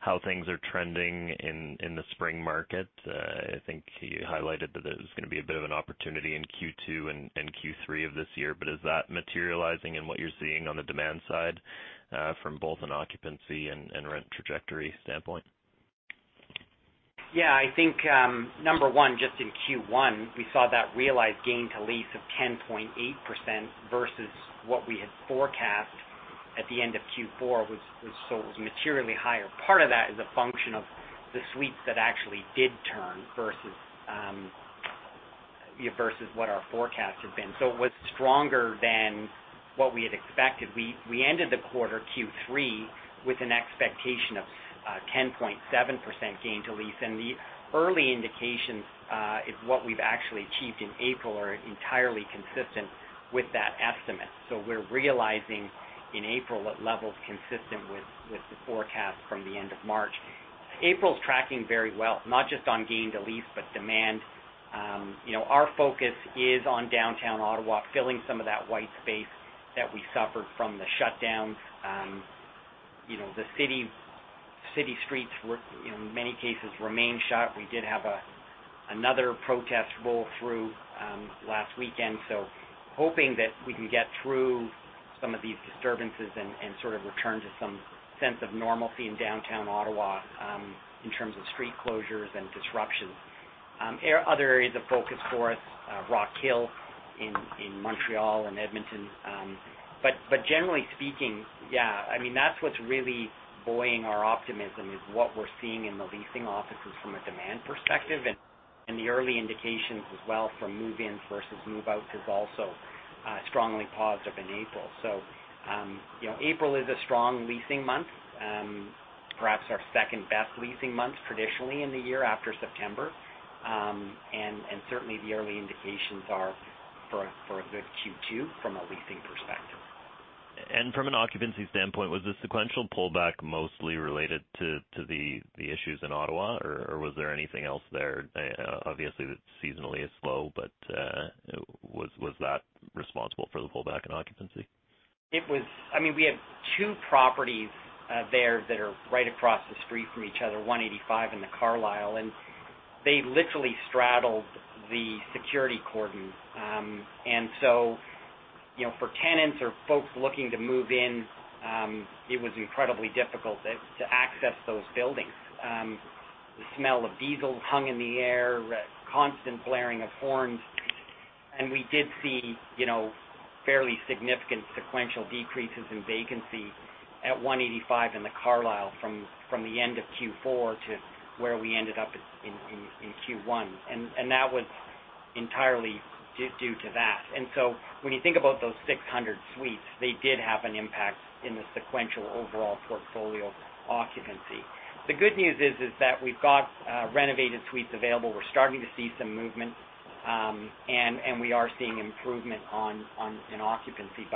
how things are trending in the spring market. I think you highlighted that there's gonna be a bit of an opportunity in Q2 and Q3 of this year, but is that materializing in what you're seeing on the demand side, from both an occupancy and rent trajectory standpoint? Yeah, I think, number one, just in Q1, we saw that realized gain to lease of 10.8% versus what we had forecast at the end of Q4, was so it was materially higher. Part of that is a function of the suites that actually did turn versus what our forecast had been. So it was stronger than what we had expected. We ended the quarter Q3 with an expectation of 10.7% gain to lease. The early indications is what we've actually achieved in April are entirely consistent with that estimate. So we're realizing in April at levels consistent with the forecast from the end of March. April's tracking very well, not just on gain to lease but demand. You know, our focus is on downtown Ottawa, filling some of that white space that we suffered from the shutdown. You know, the city streets were, in many cases, remain shut. We did have another protest roll through last weekend. Hoping that we can get through some of these disturbances and sort of return to some sense of normalcy in downtown Ottawa, in terms of street closures and disruptions. Other areas of focus for us, Rockhill in Montreal and Edmonton. Generally speaking, yeah, I mean, that's what's really buoying our optimism is what we're seeing in the leasing offices from a demand perspective. The early indications as well from move-ins versus move-outs is also strongly positive in April. You know, April is a strong leasing month, perhaps our second-best leasing month traditionally in the year after September. Certainly the early indications are for a good Q2 from a leasing perspective. From an occupancy standpoint, was the sequential pullback mostly related to the issues in Ottawa, or was there anything else there? Obviously that seasonally is slow, but was that responsible for the pullback in occupancy? I mean, we have two properties there that are right across the street from each other, 185 and The Carlyle, and they literally straddled the security cordon. You know, for tenants or folks looking to move in, it was incredibly difficult to access those buildings. The smell of diesel hung in the air, constant blaring of horns. We did see you know, fairly significant sequential decreases in vacancy at 185 and The Carlyle from the end of Q4 to where we ended up in Q1. That was entirely due to that. When you think about those 600 suites, they did have an impact in the sequential overall portfolio occupancy. The good news is that we've got renovated suites available. We're starting to see some movement, and we are seeing improvement in occupancy.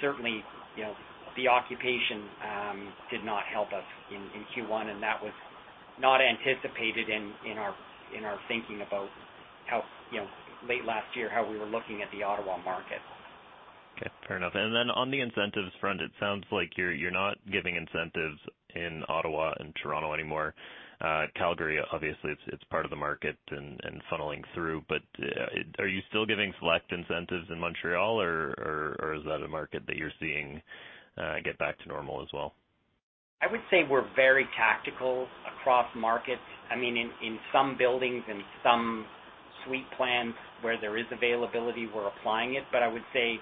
Certainly, you know, Omicron did not help us in Q1, and that was not anticipated in our thinking about how, you know, late last year, how we were looking at the Ottawa market. Okay. Fair enough. On the incentives front, it sounds like you're not giving incentives in Ottawa and Toronto anymore. Calgary, obviously, it's part of the market and funneling through. Are you still giving select incentives in Montreal, or is that a market that you're seeing get back to normal as well? I would say we're very tactical across markets. I mean, in some buildings and some suite plans where there is availability, we're applying it. I would say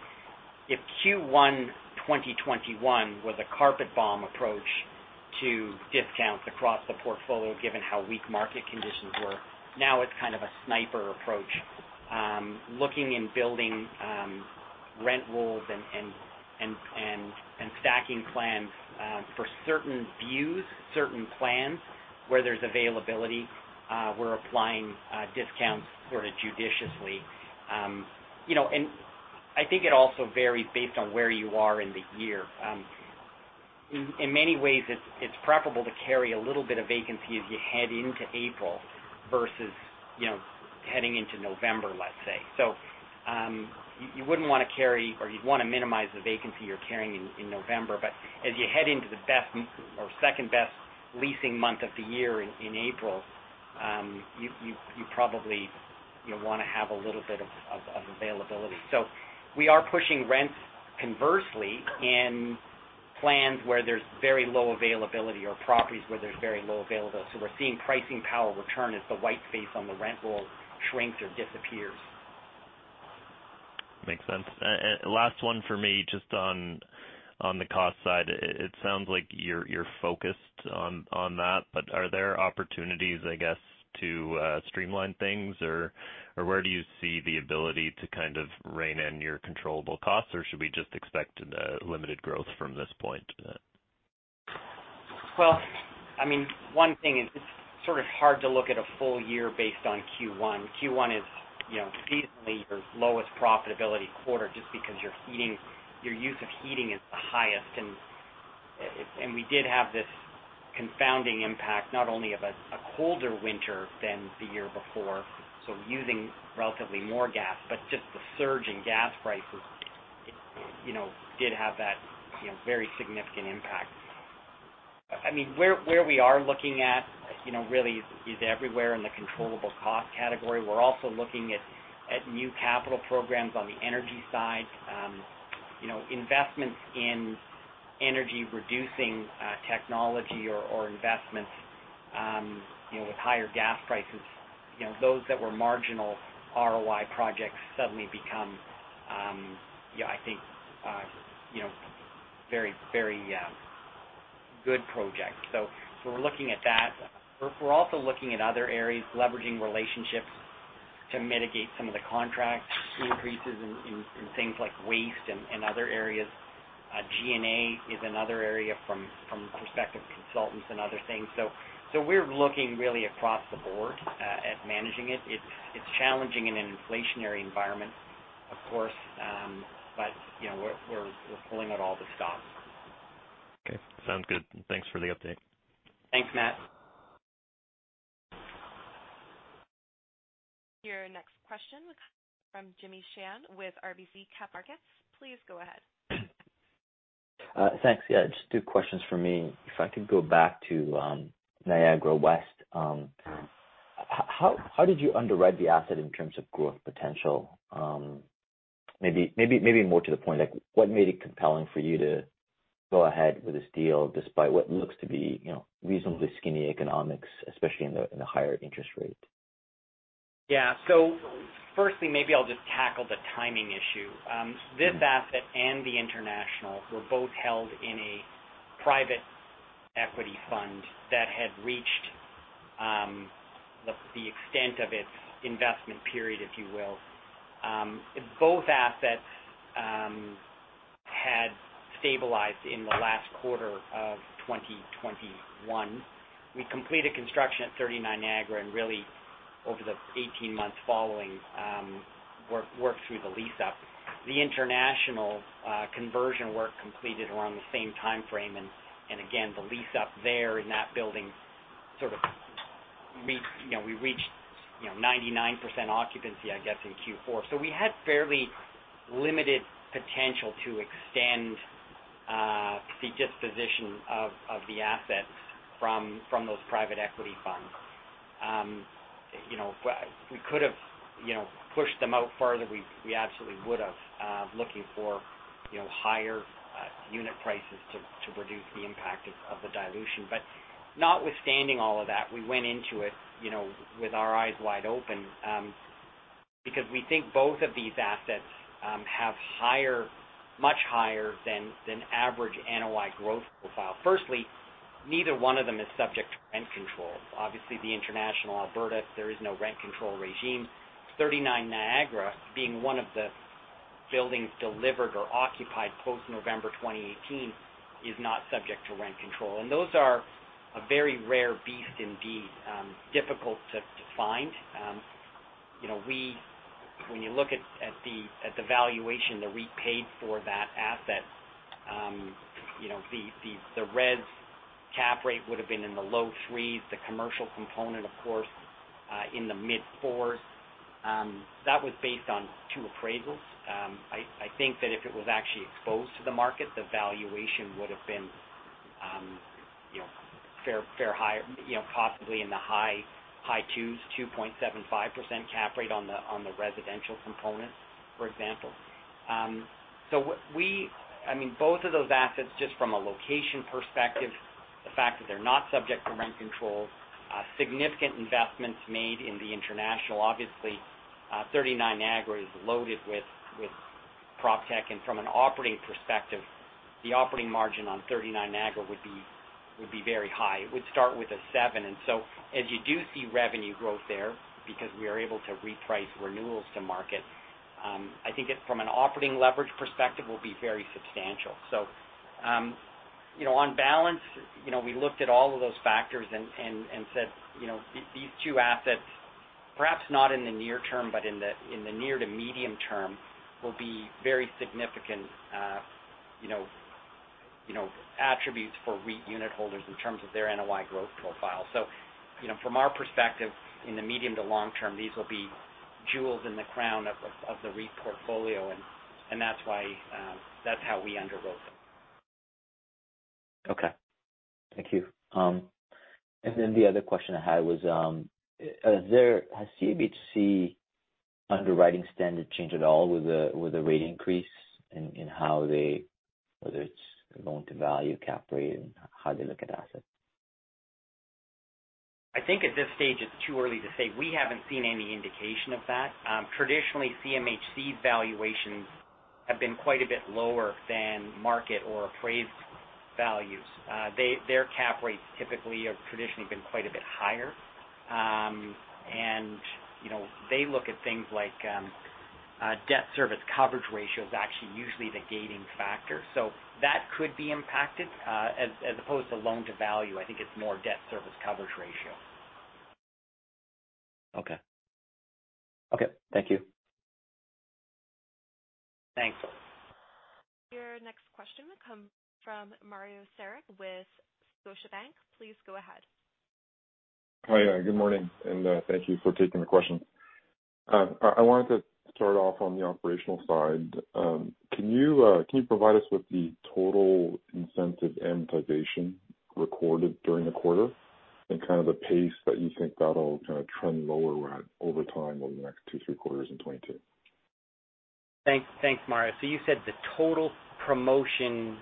if Q1 2021 was a carpet bomb approach to discounts across the portfolio, given how weak market conditions were, now it's kind of a sniper approach, looking in building rent rolls and stacking plans, for certain views, certain plans where there's availability, we're applying discounts sort of judiciously. You know, I think it also varies based on where you are in the year. In many ways, it's preferable to carry a little bit of vacancy as you head into April versus, you know, heading into November, let's say. You wouldn't wanna carry, or you'd wanna minimize the vacancy you're carrying in November. As you head into the best or second-best leasing month of the year in April, you probably, you know, wanna have a little bit of availability. We are pushing rents conversely in places where there's very low availability or properties where there's very low availability. We're seeing pricing power return as the white space on the rent roll shrinks or disappears. Makes sense. Last one for me, just on the cost side. It sounds like you're focused on that, but are there opportunities, I guess, to streamline things? Or where do you see the ability to kind of rein in your controllable costs, or should we just expect limited growth from this point? Well, I mean, one thing is it's sort of hard to look at a full year based on Q1. Q1 is, you know, seasonally your lowest profitability quarter just because your use of heating is the highest. We did have this confounding impact, not only of a colder winter than the year before, so using relatively more gas, but just the surge in gas prices did have that very significant impact. I mean, where we are looking at really is everywhere in the controllable cost category. We're also looking at new capital programs on the energy side. Investments in energy-reducing technology or investments with higher gas prices. You know, those that were marginal ROI projects suddenly become, yeah, I think, you know, very good projects. We're looking at that. We're also looking at other areas, leveraging relationships to mitigate some of the contract increases in things like waste and other areas. G&A is another area from the perspective of consultants and other things. We're looking really across the board at managing it. It's challenging in an inflationary environment, of course, but you know, we're pulling out all the stops. Okay. Sounds good. Thanks for the update. Thanks, Matt. Your next question comes from Jimmy Shan with RBC Capital Markets. Please go ahead. Thanks. Yeah, just two questions from me. If I could go back to Niagara West. How did you underwrite the asset in terms of growth potential? Maybe more to the point, like, what made it compelling for you to go ahead with this deal despite what looks to be, you know, reasonably skinny economics, especially in the higher interest rate? Yeah. Firstly, maybe I'll just tackle the timing issue. Mm-hmm. This asset and the International were both held in a private equity fund that had reached the extent of its investment period, if you will. Both assets had stabilized in the last quarter of 2021. We completed construction at 39 Niagara, and really over the 18 months following, worked through the lease up. The International conversion work completed around the same timeframe, and again, the lease up there in that building sort of reached. You know, we reached, you know, 99% occupancy, I guess, in Q4. We had fairly limited potential to extend the disposition of the assets from those private equity funds. You know, but we could have, you know, pushed them out further. We absolutely would've looking for, you know, higher unit prices to reduce the impact of the dilution. Notwithstanding all of that, we went into it, you know, with our eyes wide open, because we think both of these assets have higher, much higher than average NOI growth profile. Firstly, neither one of them is subject to rent control. Obviously, in Alberta, there is no rent control regime. 39 Niagara, being one of the buildings delivered or occupied post-November 2018, is not subject to rent control. Those are a very rare beast indeed, difficult to find. You know, we... When you look at the valuation that we paid for that asset, you know, the res cap rate would've been in the low 3%, the commercial component, of course, in the mid-4%. That was based on two appraisals. I think that if it was actually exposed to the market, the valuation would have been, you know, fair to high, you know, possibly in the high twos, 2.75% cap rate on the residential component, for example. I mean, both of those assets, just from a location perspective, the fact that they're not subject to rent controls, significant investments made in the interiors. Obviously, 39 Niagara is loaded with proptech. From an operating perspective, the operating margin on 39 Niagara would be very high. It would start with 7%. As you do see revenue growth there because we are able to reprice renewals to market, I think it from an operating leverage perspective will be very substantial. You know, on balance, you know, we looked at all of those factors and said, you know, these two assets, perhaps not in the near term, but in the near to medium term, will be very significant, you know, attributes for REIT unit holders in terms of their NOI growth profile. You know, from our perspective, in the medium to long term, these will be jewels in the crown of the REIT portfolio, and that's why, that's how we underwrote them. Okay. Thank you. The other question I had was, has CMHC underwriting standard changed at all with the rate increase in how they whether it's loan to value, cap rate, and how they look at assets? I think at this stage it's too early to say. We haven't seen any indication of that. Traditionally, CMHC's valuations have been quite a bit lower than market or appraised values. Their cap rates typically have traditionally been quite a bit higher. You know, they look at things like debt service coverage ratio is actually usually the gating factor. That could be impacted, as opposed to loan to value. I think it's more debt service coverage ratio. Okay. Thank you. Thanks. Your next question will come from Mario Saric with Scotiabank. Please go ahead. Hi. Good morning, and thank you for taking the question. I wanted to start off on the operational side. Can you provide us with the total incentive amortization recorded during the quarter and kind of the pace that you think that'll kind of trend lower at over time over the next two, three quarters in 2022? Thanks. Thanks, Mario. You said the total promotion.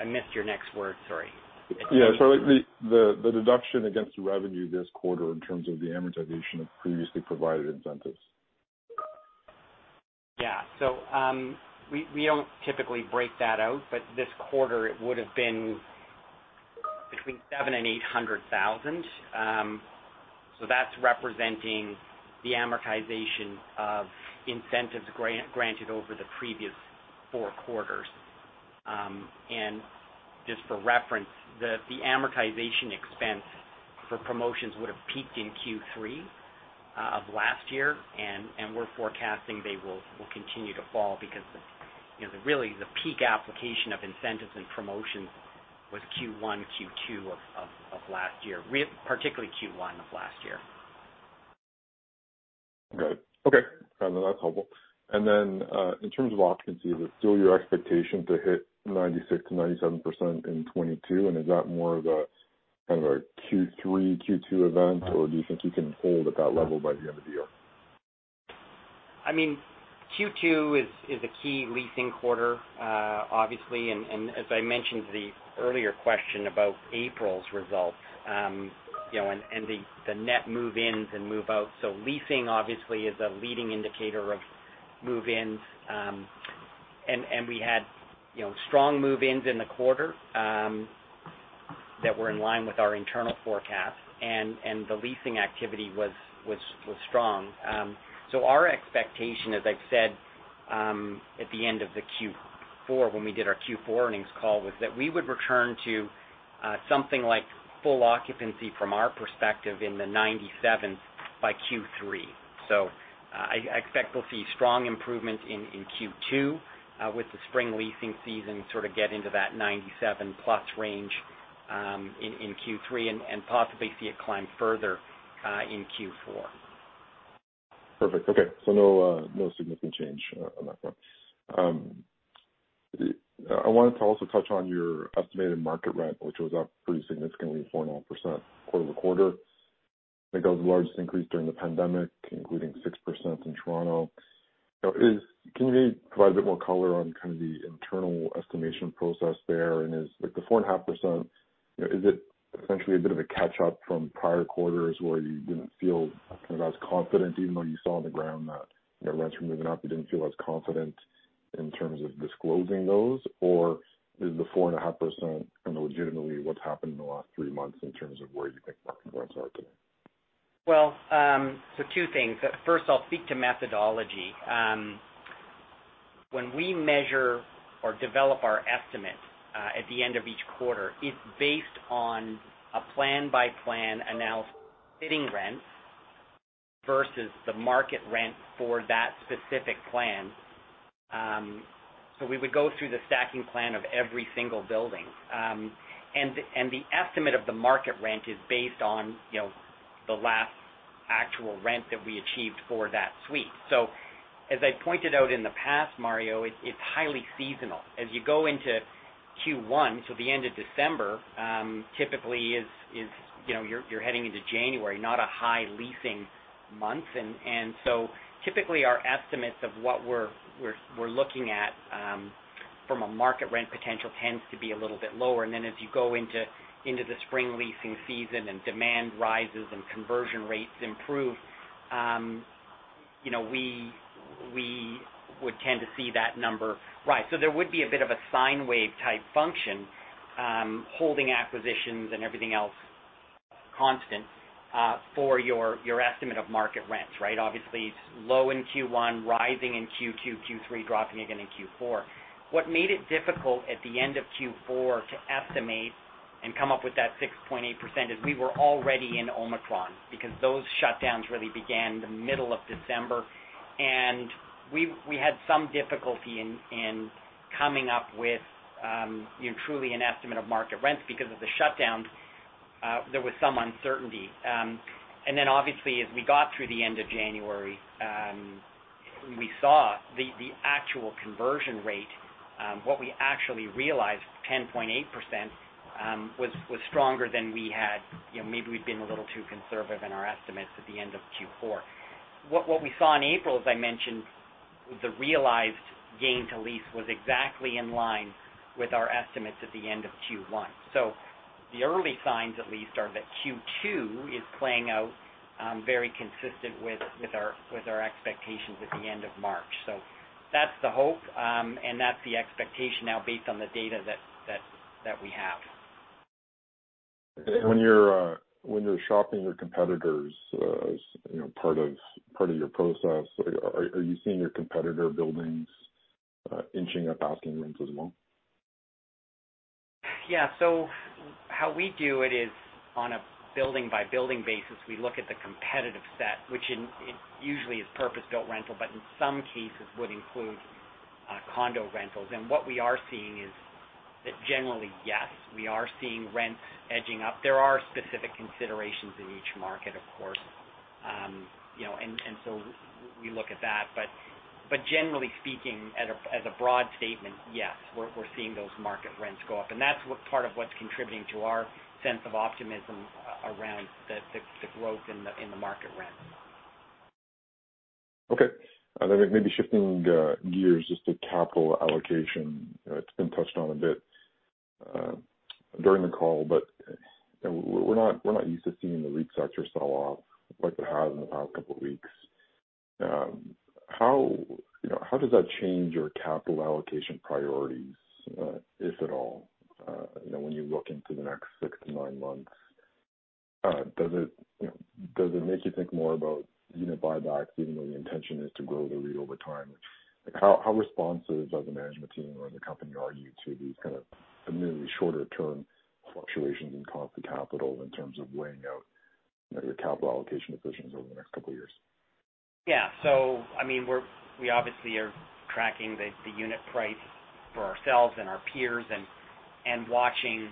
I missed your next word, sorry. Yeah. Sorry. The deduction against the revenue this quarter in terms of the amortization of previously provided incentives. We don't typically break that out, but this quarter it would have been between 700,000 and 800,000. That's representing the amortization of incentives granted over the previous four quarters. Just for reference, the amortization expense for promotions would have peaked in Q3 of last year. We're forecasting they will continue to fall because you know, really, the peak application of incentives and promotions was Q1, Q2 of last year. Particularly Q1 of last year. Got it. Okay. That's helpful. In terms of occupancy, is it still your expectation to hit 96%-97% in 2022? Is that more of a, kind of a Q3, Q2 event? Do you think you can hold at that level by the end of the year? I mean, Q2 is a key leasing quarter, obviously. As I mentioned the earlier question about April's results, you know, and the net move-ins and move-outs. Leasing obviously is a leading indicator of move-ins. We had, you know, strong move-ins in the quarter that were in line with our internal forecast and the leasing activity was strong. Our expectation, as I've said, at the end of the Q4, when we did our Q4 earnings call, was that we would return to something like full occupancy from our perspective in the 97% by Q3. I expect we'll see strong improvement in Q2 with the spring leasing season, sort of get into that 97+ range in Q3 and possibly see it climb further in Q4. Perfect. Okay. No significant change on that front. I wanted to also touch on your estimated market rent, which was up pretty significantly, 4.5% quarter-over-quarter. I think that was the largest increase during the pandemic, including 6% in Toronto. Can you provide a bit more color on kind of the internal estimation process there? And is the 4.5%, you know, is it essentially a bit of a catch up from prior quarters where you didn't feel kind of as confident even though you saw on the ground that, you know, rents were moving up, you didn't feel as confident in terms of disclosing those? Or is the 4.5% kind of legitimately what's happened in the last three months in terms of where you think market rents are today? Well, two things. First, I'll speak to methodology. When we measure or develop our estimate, at the end of each quarter, it's based on a plan by plan analysis fitting rents versus the market rent for that specific plan. We would go through the stacking plan of every single building. The estimate of the market rent is based on, you know, the last actual rent that we achieved for that suite. As I pointed out in the past, Mario, it's highly seasonal. As you go into Q1, the end of December, typically is, you know, you're heading into January, not a high leasing month. Typically our estimates of what we're looking at, from a market rent potential tends to be a little bit lower. Then as you go into the spring leasing season and demand rises and conversion rates improve, you know, we would tend to see that number. Right. There would be a bit of a sine wave type function, holding acquisitions and everything else constant, for your estimate of market rents, right? Obviously, it's low in Q1, rising in Q2, Q3, dropping again in Q4. What made it difficult at the end of Q4 to estimate and come up with that 6.8% is we were already in Omicron because those shutdowns really began the middle of December. We had some difficulty in coming up with, you know, truly an estimate of market rents because of the shutdowns. There was some uncertainty. Obviously, as we got through the end of January, we saw the actual conversion rate, what we actually realized, 10.8%, was stronger than we had. You know, maybe we'd been a little too conservative in our estimates at the end of Q4. What we saw in April, as I mentioned, the realized gain to lease was exactly in line with our estimates at the end of Q1. The early signs at least are that Q2 is playing out very consistent with our expectations at the end of March. That's the hope, and that's the expectation now based on the data that we have. When you're shopping your competitors, as you know, part of your process, are you seeing your competitor buildings inching up asking rents as well? Yeah. How we do it is on a building-by-building basis. We look at the competitive set, which it usually is purpose-built rental, but in some cases would include condo rentals. What we are seeing is that generally, yes, we are seeing rents edging up. There are specific considerations in each market, of course. You know, and we look at that. Generally speaking, as a broad statement, yes, we're seeing those market rents go up. That's what part of what's contributing to our sense of optimism around the growth in the market rent. Okay. Maybe shifting gears just to capital allocation. It's been touched on a bit during the call, but, you know, we're not used to seeing the REIT sector sell off like it has in the past couple of weeks. How does that change your capital allocation priorities, if at all? You know, when you look into the next 6-9 months, does it make you think more about unit buybacks even though the intention is to grow the REIT over time? Like, how responsive is the management team or the company are you to these kind of admittedly shorter-term fluctuations in cost of capital in terms of weighing out, you know, your capital allocation decisions over the next couple of years? Yeah. I mean, we obviously are tracking the unit price for ourselves and our peers and watching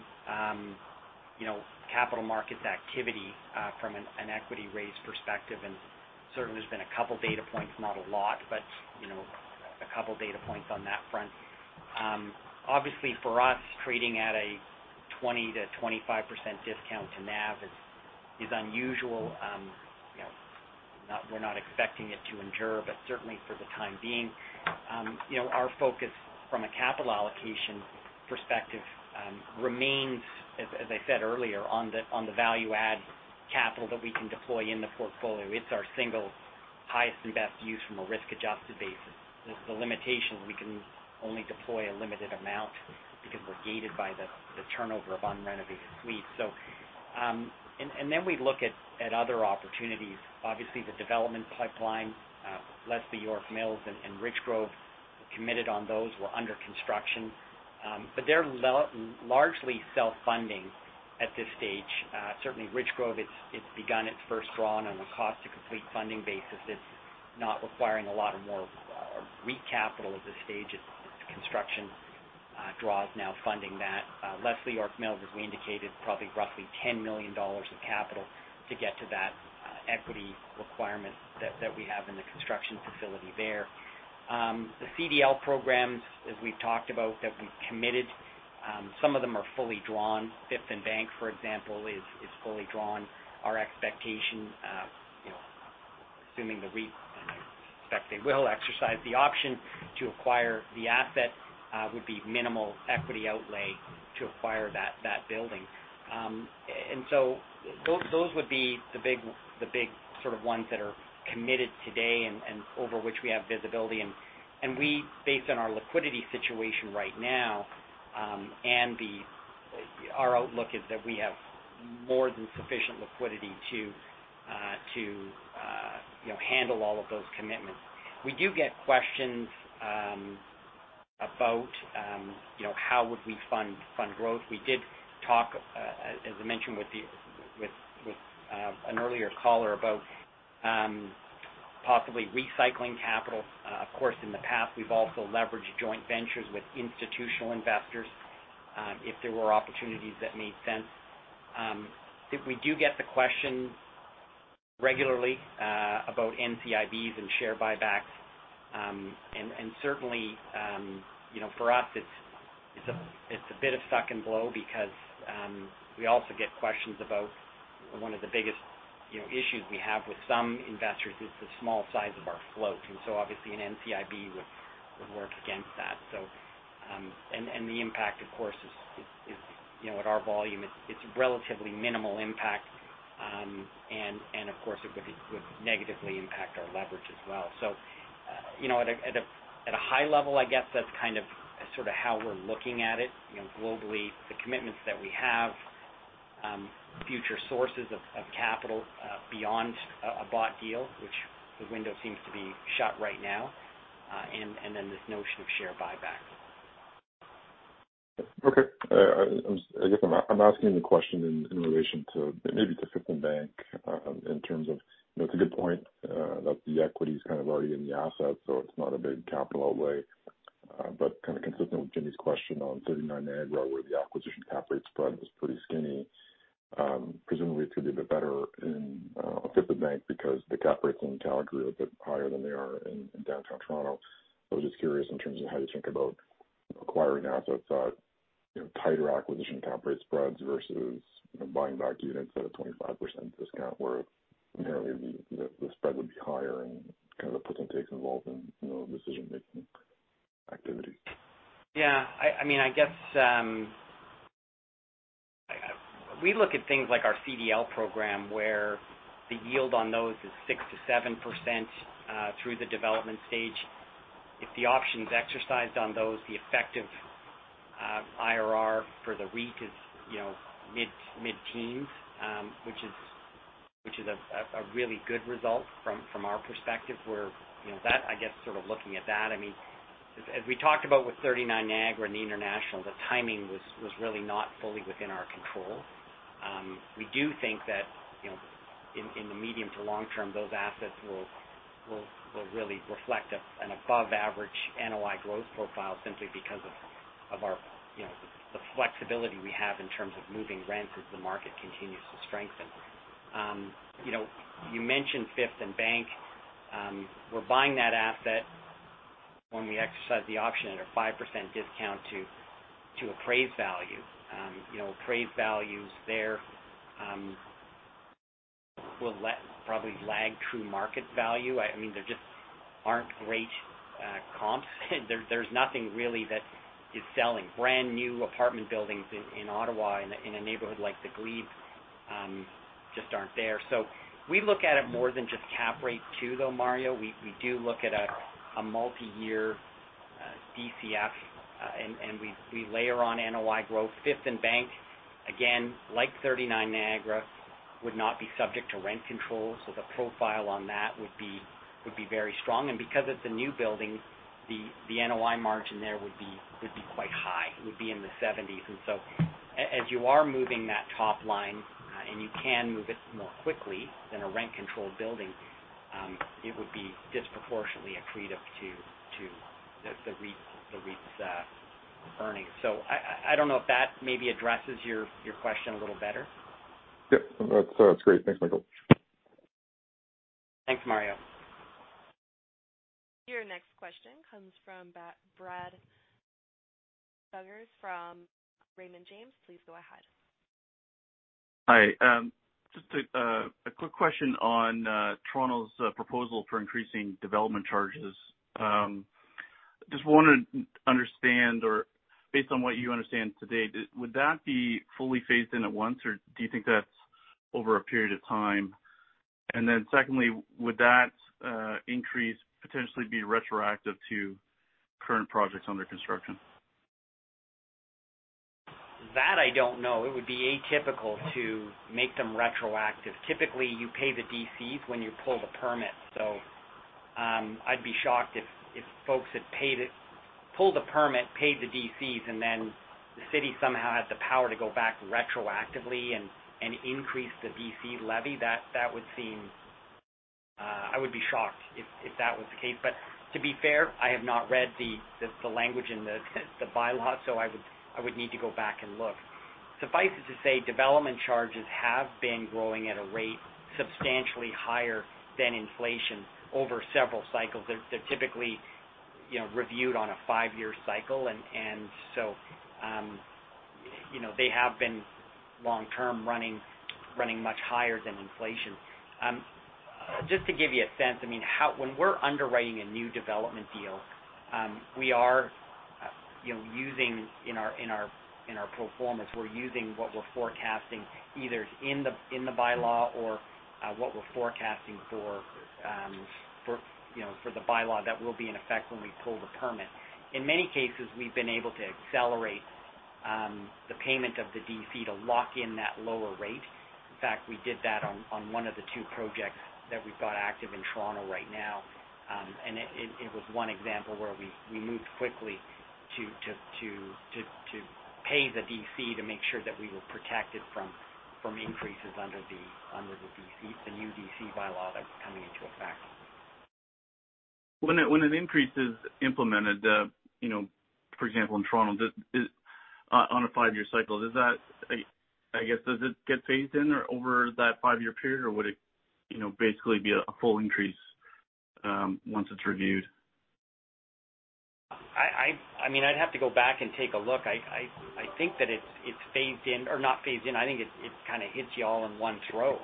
you know, capital markets activity from an equity raise perspective. Certainly there's been a couple data points, not a lot, but you know, a couple data points on that front. Obviously for us, trading at a 20%-25% discount to NAV is unusual. We're not expecting it to endure. Certainly for the time being, our focus from a capital allocation perspective remains, as I said earlier, on the value add capital that we can deploy in the portfolio. It's our single highest and best use from a risk-adjusted basis. The limitation, we can only deploy a limited amount because we're gated by the turnover of unrenovated suites. Then we look at other opportunities. Obviously, the development pipeline, Leslie York Mills and Richgrove are committed on those. We're under construction. They're largely self-funding at this stage. Certainly Richgrove, it's begun its first draw on a cost-to-complete funding basis. It's not requiring a lot more REIT capital at this stage. Its construction draws now funding that. Leslie York Mills, as we indicated, probably roughly 10 million dollars of capital to get to that equity requirement that we have in the construction facility there. The CDL programs, as we've talked about, that we've committed, some of them are fully drawn. Fifth and Bank, for example, is fully drawn. Our expectation, you know, assuming the REIT, and I expect they will exercise the option to acquire the asset, would be minimal equity outlay to acquire that building. Those would be the big sort of ones that are committed today and over which we have visibility. We, based on our liquidity situation right now, and our outlook is that we have more than sufficient liquidity to, you know, handle all of those commitments. We do get questions about, you know, how would we fund growth. We did talk, as I mentioned, with an earlier caller about possibly recycling capital. Of course, in the past, we've also leveraged joint ventures with institutional investors, if there were opportunities that made sense. If we do get the question regularly about NCIBs and share buybacks, certainly you know, for us it's a bit of suck and blow because we also get questions about one of the biggest you know issues we have with some investors is the small size of our float. So obviously an NCIB would work against that. The impact, of course, is you know at our volume it's relatively minimal impact. Of course, it would negatively impact our leverage as well. You know, at a high level, I guess that's kind of sort of how we're looking at it. You know, globally, the commitments that we have, future sources of capital, beyond a bought deal, which the window seems to be shut right now, and then this notion of share buyback. I guess I'm asking the question in relation to maybe the Fifth and Bank in terms of. That's a good point that the equity is kind of already in the asset, so it's not a big capital outlay. But kind of consistent with Jimmy's question on 39 Niagara, where the acquisition cap rate spread was pretty skinny, presumably it could be a bit better in Fifth and Bank because the cap rates in Calgary are a bit higher than they are in downtown Toronto. I was just curious in terms of how you think about acquiring assets at, you know, tighter acquisition cap rate spreads versus buying back units at a 25% discount where apparently the spread would be higher and kind of the puts and takes involved in, you know, decision-making activities. Yeah. I mean, I guess we look at things like our CDL program where the yield on those is 6%-7% through the development stage. If the option is exercised on those, the effective IRR for the REIT is, you know, mid-teens, which is a really good result from our perspective. You know, that I guess sort of looking at that, I mean, as we talked about with 39 Niagara and the International, the timing was really not fully within our control. We do think that, you know, in the medium to long term, those assets will really reflect an above average NOI growth profile simply because of our, you know, the flexibility we have in terms of moving rent as the market continues to strengthen. You know, you mentioned Fifth and Bank. We're buying that asset when we exercise the option at a 5% discount to appraised value. You know, appraised values there will probably lag true market value. I mean, there just aren't great comps. There's nothing really that is selling. Brand new apartment buildings in Ottawa in a neighborhood like The Glebe just aren't there. We look at it more than just cap rate too, though, Mario. We do look at a multi-year DCF, and we layer on NOI growth. Fifth and Bank, again, like 39 Niagara, would not be subject to rent control, so the profile on that would be very strong. Because it's a new building, the NOI margin there would be quite high. It would be in the seventies. As you are moving that top line, and you can move it more quickly than a rent-controlled building, it would be disproportionately accretive to the REIT's earnings. I don't know if that maybe addresses your question a little better. Yep. That's great. Thanks, Michael. Thanks, Mario. Your next question comes from Brad Sturges from Raymond James. Please go ahead. Hi. Just a quick question on Toronto's proposal for increasing Development Charges. Just wanted to understand or based on what you understand to date, would that be fully phased in at once, or do you think that's over a period of time? Secondly, would that increase potentially be retroactive to current projects under construction? That I don't know. It would be atypical to make them retroactive. Typically, you pay the DCs when you pull the permit. I'd be shocked if folks had pulled a permit, paid the DCs, and then the city somehow had the power to go back retroactively and increase the DC levy. That would seem. I would be shocked if that was the case. But to be fair, I have not read the language in the bylaw, so I would need to go back and look. Suffice it to say, Development Charges have been growing at a rate substantially higher than inflation over several cycles. They're typically, you know, reviewed on a five-year cycle. They have been long-term running much higher than inflation. Just to give you a sense, I mean, when we're underwriting a new development deal, we are, you know, using in our pro formas what we're forecasting either in the by-law or what we're forecasting for the by-law that will be in effect when we pull the permit. In many cases, we've been able to accelerate the payment of the DC to lock in that lower rate. In fact, we did that on one of the two projects that we've got active in Toronto right now. That was one example where we moved quickly to pay the DC to make sure that we were protected from increases under the DC, the new DC by-law that's coming into effect. When an increase is implemented, you know, for example, in Toronto, on a five-year cycle, does that, I guess, get phased in or over that five-year period? Or would it, you know, basically be a full increase once it's reviewed? I mean, I'd have to go back and take a look. I think that it's phased in or not phased in. I think it kind of hits you all in one go.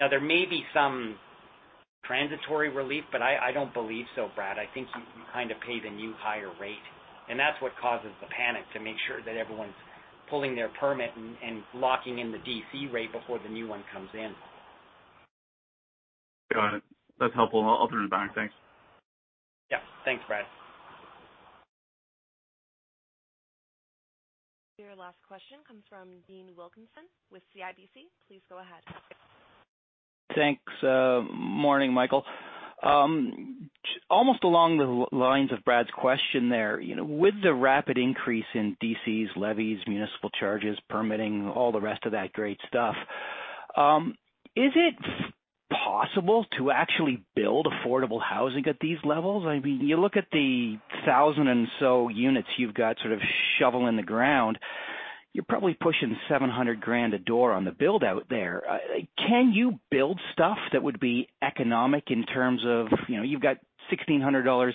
Now there may be some transitory relief, but I don't believe so, Brad. I think you kind of pay the new higher rate, and that's what causes the panic to make sure that everyone's pulling their permit and locking in the DC rate before the new one comes in. Got it. That's helpful. I'll turn it back. Thanks. Yeah. Thanks, Brad. Your last question comes from Dean Wilkinson with CIBC. Please go ahead. Thanks. Morning, Michael. Almost along the lines of Brad's question there, you know, with the rapid increase in DCs, levies, municipal charges, permitting, all the rest of that great stuff, is it possible to actually build affordable housing at these levels? I mean, you look at the 1,000 or so units you've got shovels in the ground, you're probably pushing 700,000 a door on the build-out there. Can you build stuff that would be economic in terms of, you know, you've got 1,600 dollars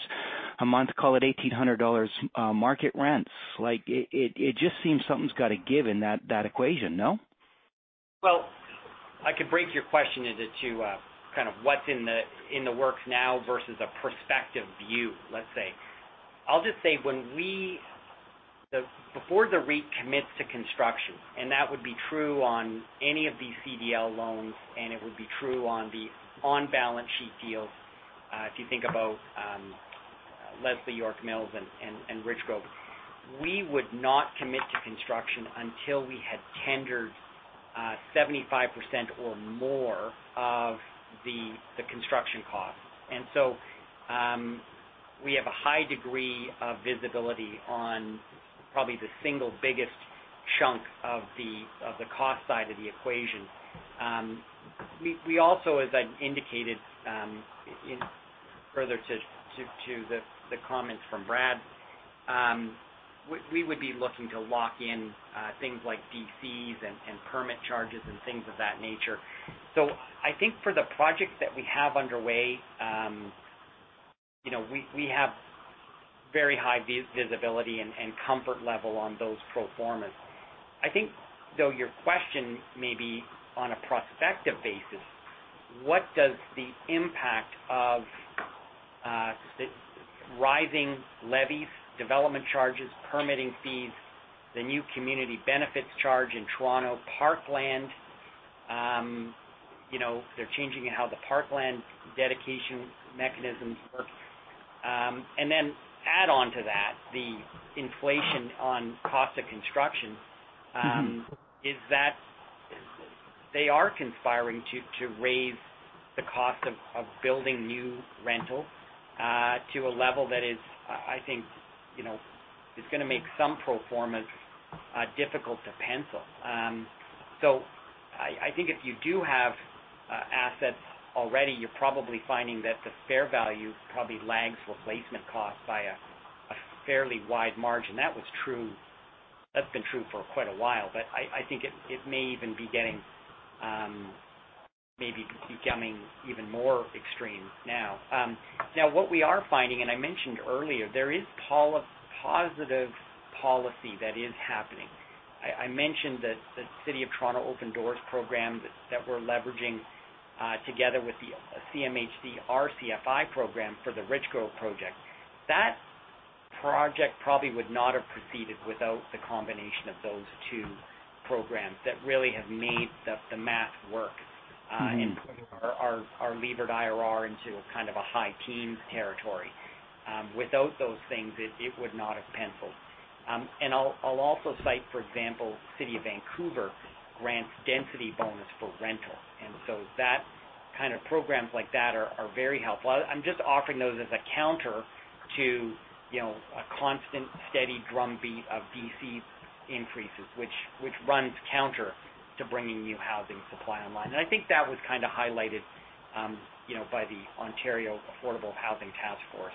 a month, call it 1,800 dollars, market rents? Like, it just seems something's got to give in that equation, no? Well, I could break your question into two, kind of what's in the works now versus a prospective view, let's say. I'll just say before the REIT commits to construction, and that would be true on any of these CDL loans, and it would be true on the on-balance-sheet deals, if you think about Leslie York Mills and Richgrove. We would not commit to construction until we had tendered 75% or more of the construction costs. We have a high degree of visibility on probably the single biggest chunk of the cost side of the equation. We also, as I indicated, further to the comments from Brad, we would be looking to lock in things like DCs and permit charges and things of that nature. I think for the projects that we have underway, you know, we have very high visibility and comfort level on those pro formas. I think, though, your question may be on a prospective basis, what does the impact of the rising levies, development charges, permitting fees, the new Community Benefits Charge in Toronto, Parkland, you know, they're changing how the Parkland dedication mechanisms work. Add on to that the inflation on cost of construction is that they are conspiring to raise the cost of building new rental to a level that is, I think, you know, is gonna make some pro formas difficult to pencil. I think if you do have assets already, you're probably finding that the fair value probably lags replacement cost by a fairly wide margin. That was true. That's been true for quite a while. I think it may even be getting maybe becoming even more extreme now. Now what we are finding, and I mentioned earlier, there is positive policy that is happening. I mentioned the City of Toronto Open Door program that we're leveraging together with the CMHC RCFI program for the Richgrove project. That project probably would not have proceeded without the combination of those two programs that really have made the math work- Mm-hmm. -in putting our levered IRR into a kind of a high teens territory. Without those things, it would not have penciled. I'll also cite, for example, City of Vancouver grants density bonus for rental. That kind of programs like that are very helpful. I'm just offering those as a counter to, you know, a constant steady drumbeat of DC increases, which runs counter to bringing new housing supply online. I think that was kind of highlighted, you know, by the Ontario Housing Affordability Task Force.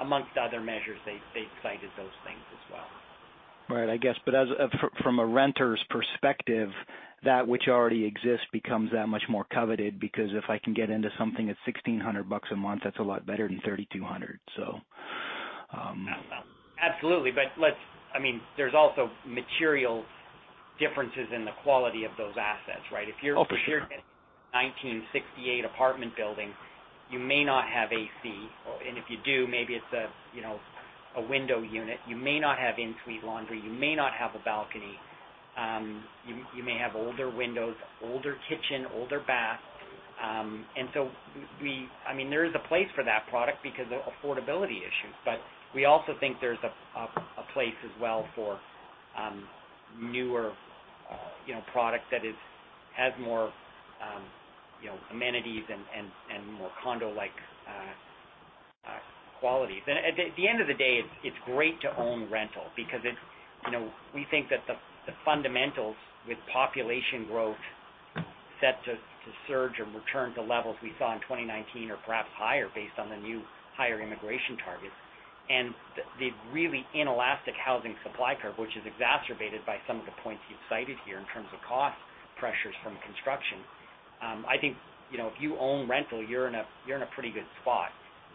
Amongst other measures, they cited those things as well. Right. I guess, but from a renter's perspective, that which already exists becomes that much more coveted because if I can get into something that's 1,600 bucks a month, that's a lot better than 3,200, so. Well, absolutely. I mean, there's also material differences in the quality of those assets, right? Oh, for sure. If you're in a 1968 apartment building, you may not have AC. If you do, maybe it's a you know, a window unit. You may not have in-suite laundry. You may not have a balcony. You may have older windows, older kitchen, older bath. I mean, there is a place for that product because of affordability issues. We also think there's a place as well for newer you know, product that has more you know, amenities and more condo-like qualities. At the end of the day, it's great to own rental because it's, you know, we think that the fundamentals with population growth set to surge and return to levels we saw in 2019 or perhaps higher based on the new higher immigration targets and the really inelastic housing supply curve, which is exacerbated by some of the points you've cited here in terms of cost pressures from construction. I think, you know, if you own rental, you're in a pretty good spot,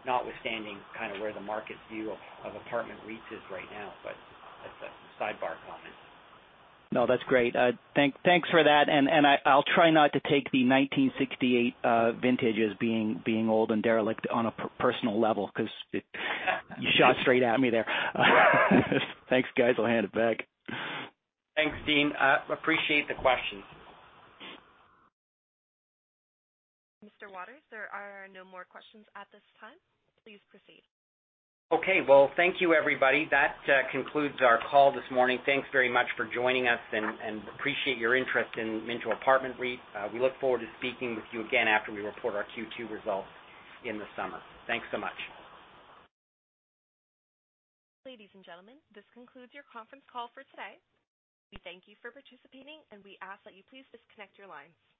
notwithstanding kind of where the market's view of apartment REITs is right now. That's a sidebar comment. No, that's great. Thanks for that. I'll try not to take the 1968 vintage as being old and derelict on a personal level because you shot straight at me there. Thanks, guys. I'll hand it back. Thanks, Dean. Appreciate the question. Mr. Waters, there are no more questions at this time. Please proceed. Okay. Well, thank you, everybody. That concludes our call this morning. Thanks very much for joining us and appreciate your interest in Minto Apartment REIT. We look forward to speaking with you again after we report our Q2 results in the summer. Thanks so much. Ladies and gentlemen, this concludes your conference call for today. We thank you for participating, and we ask that you please disconnect your lines.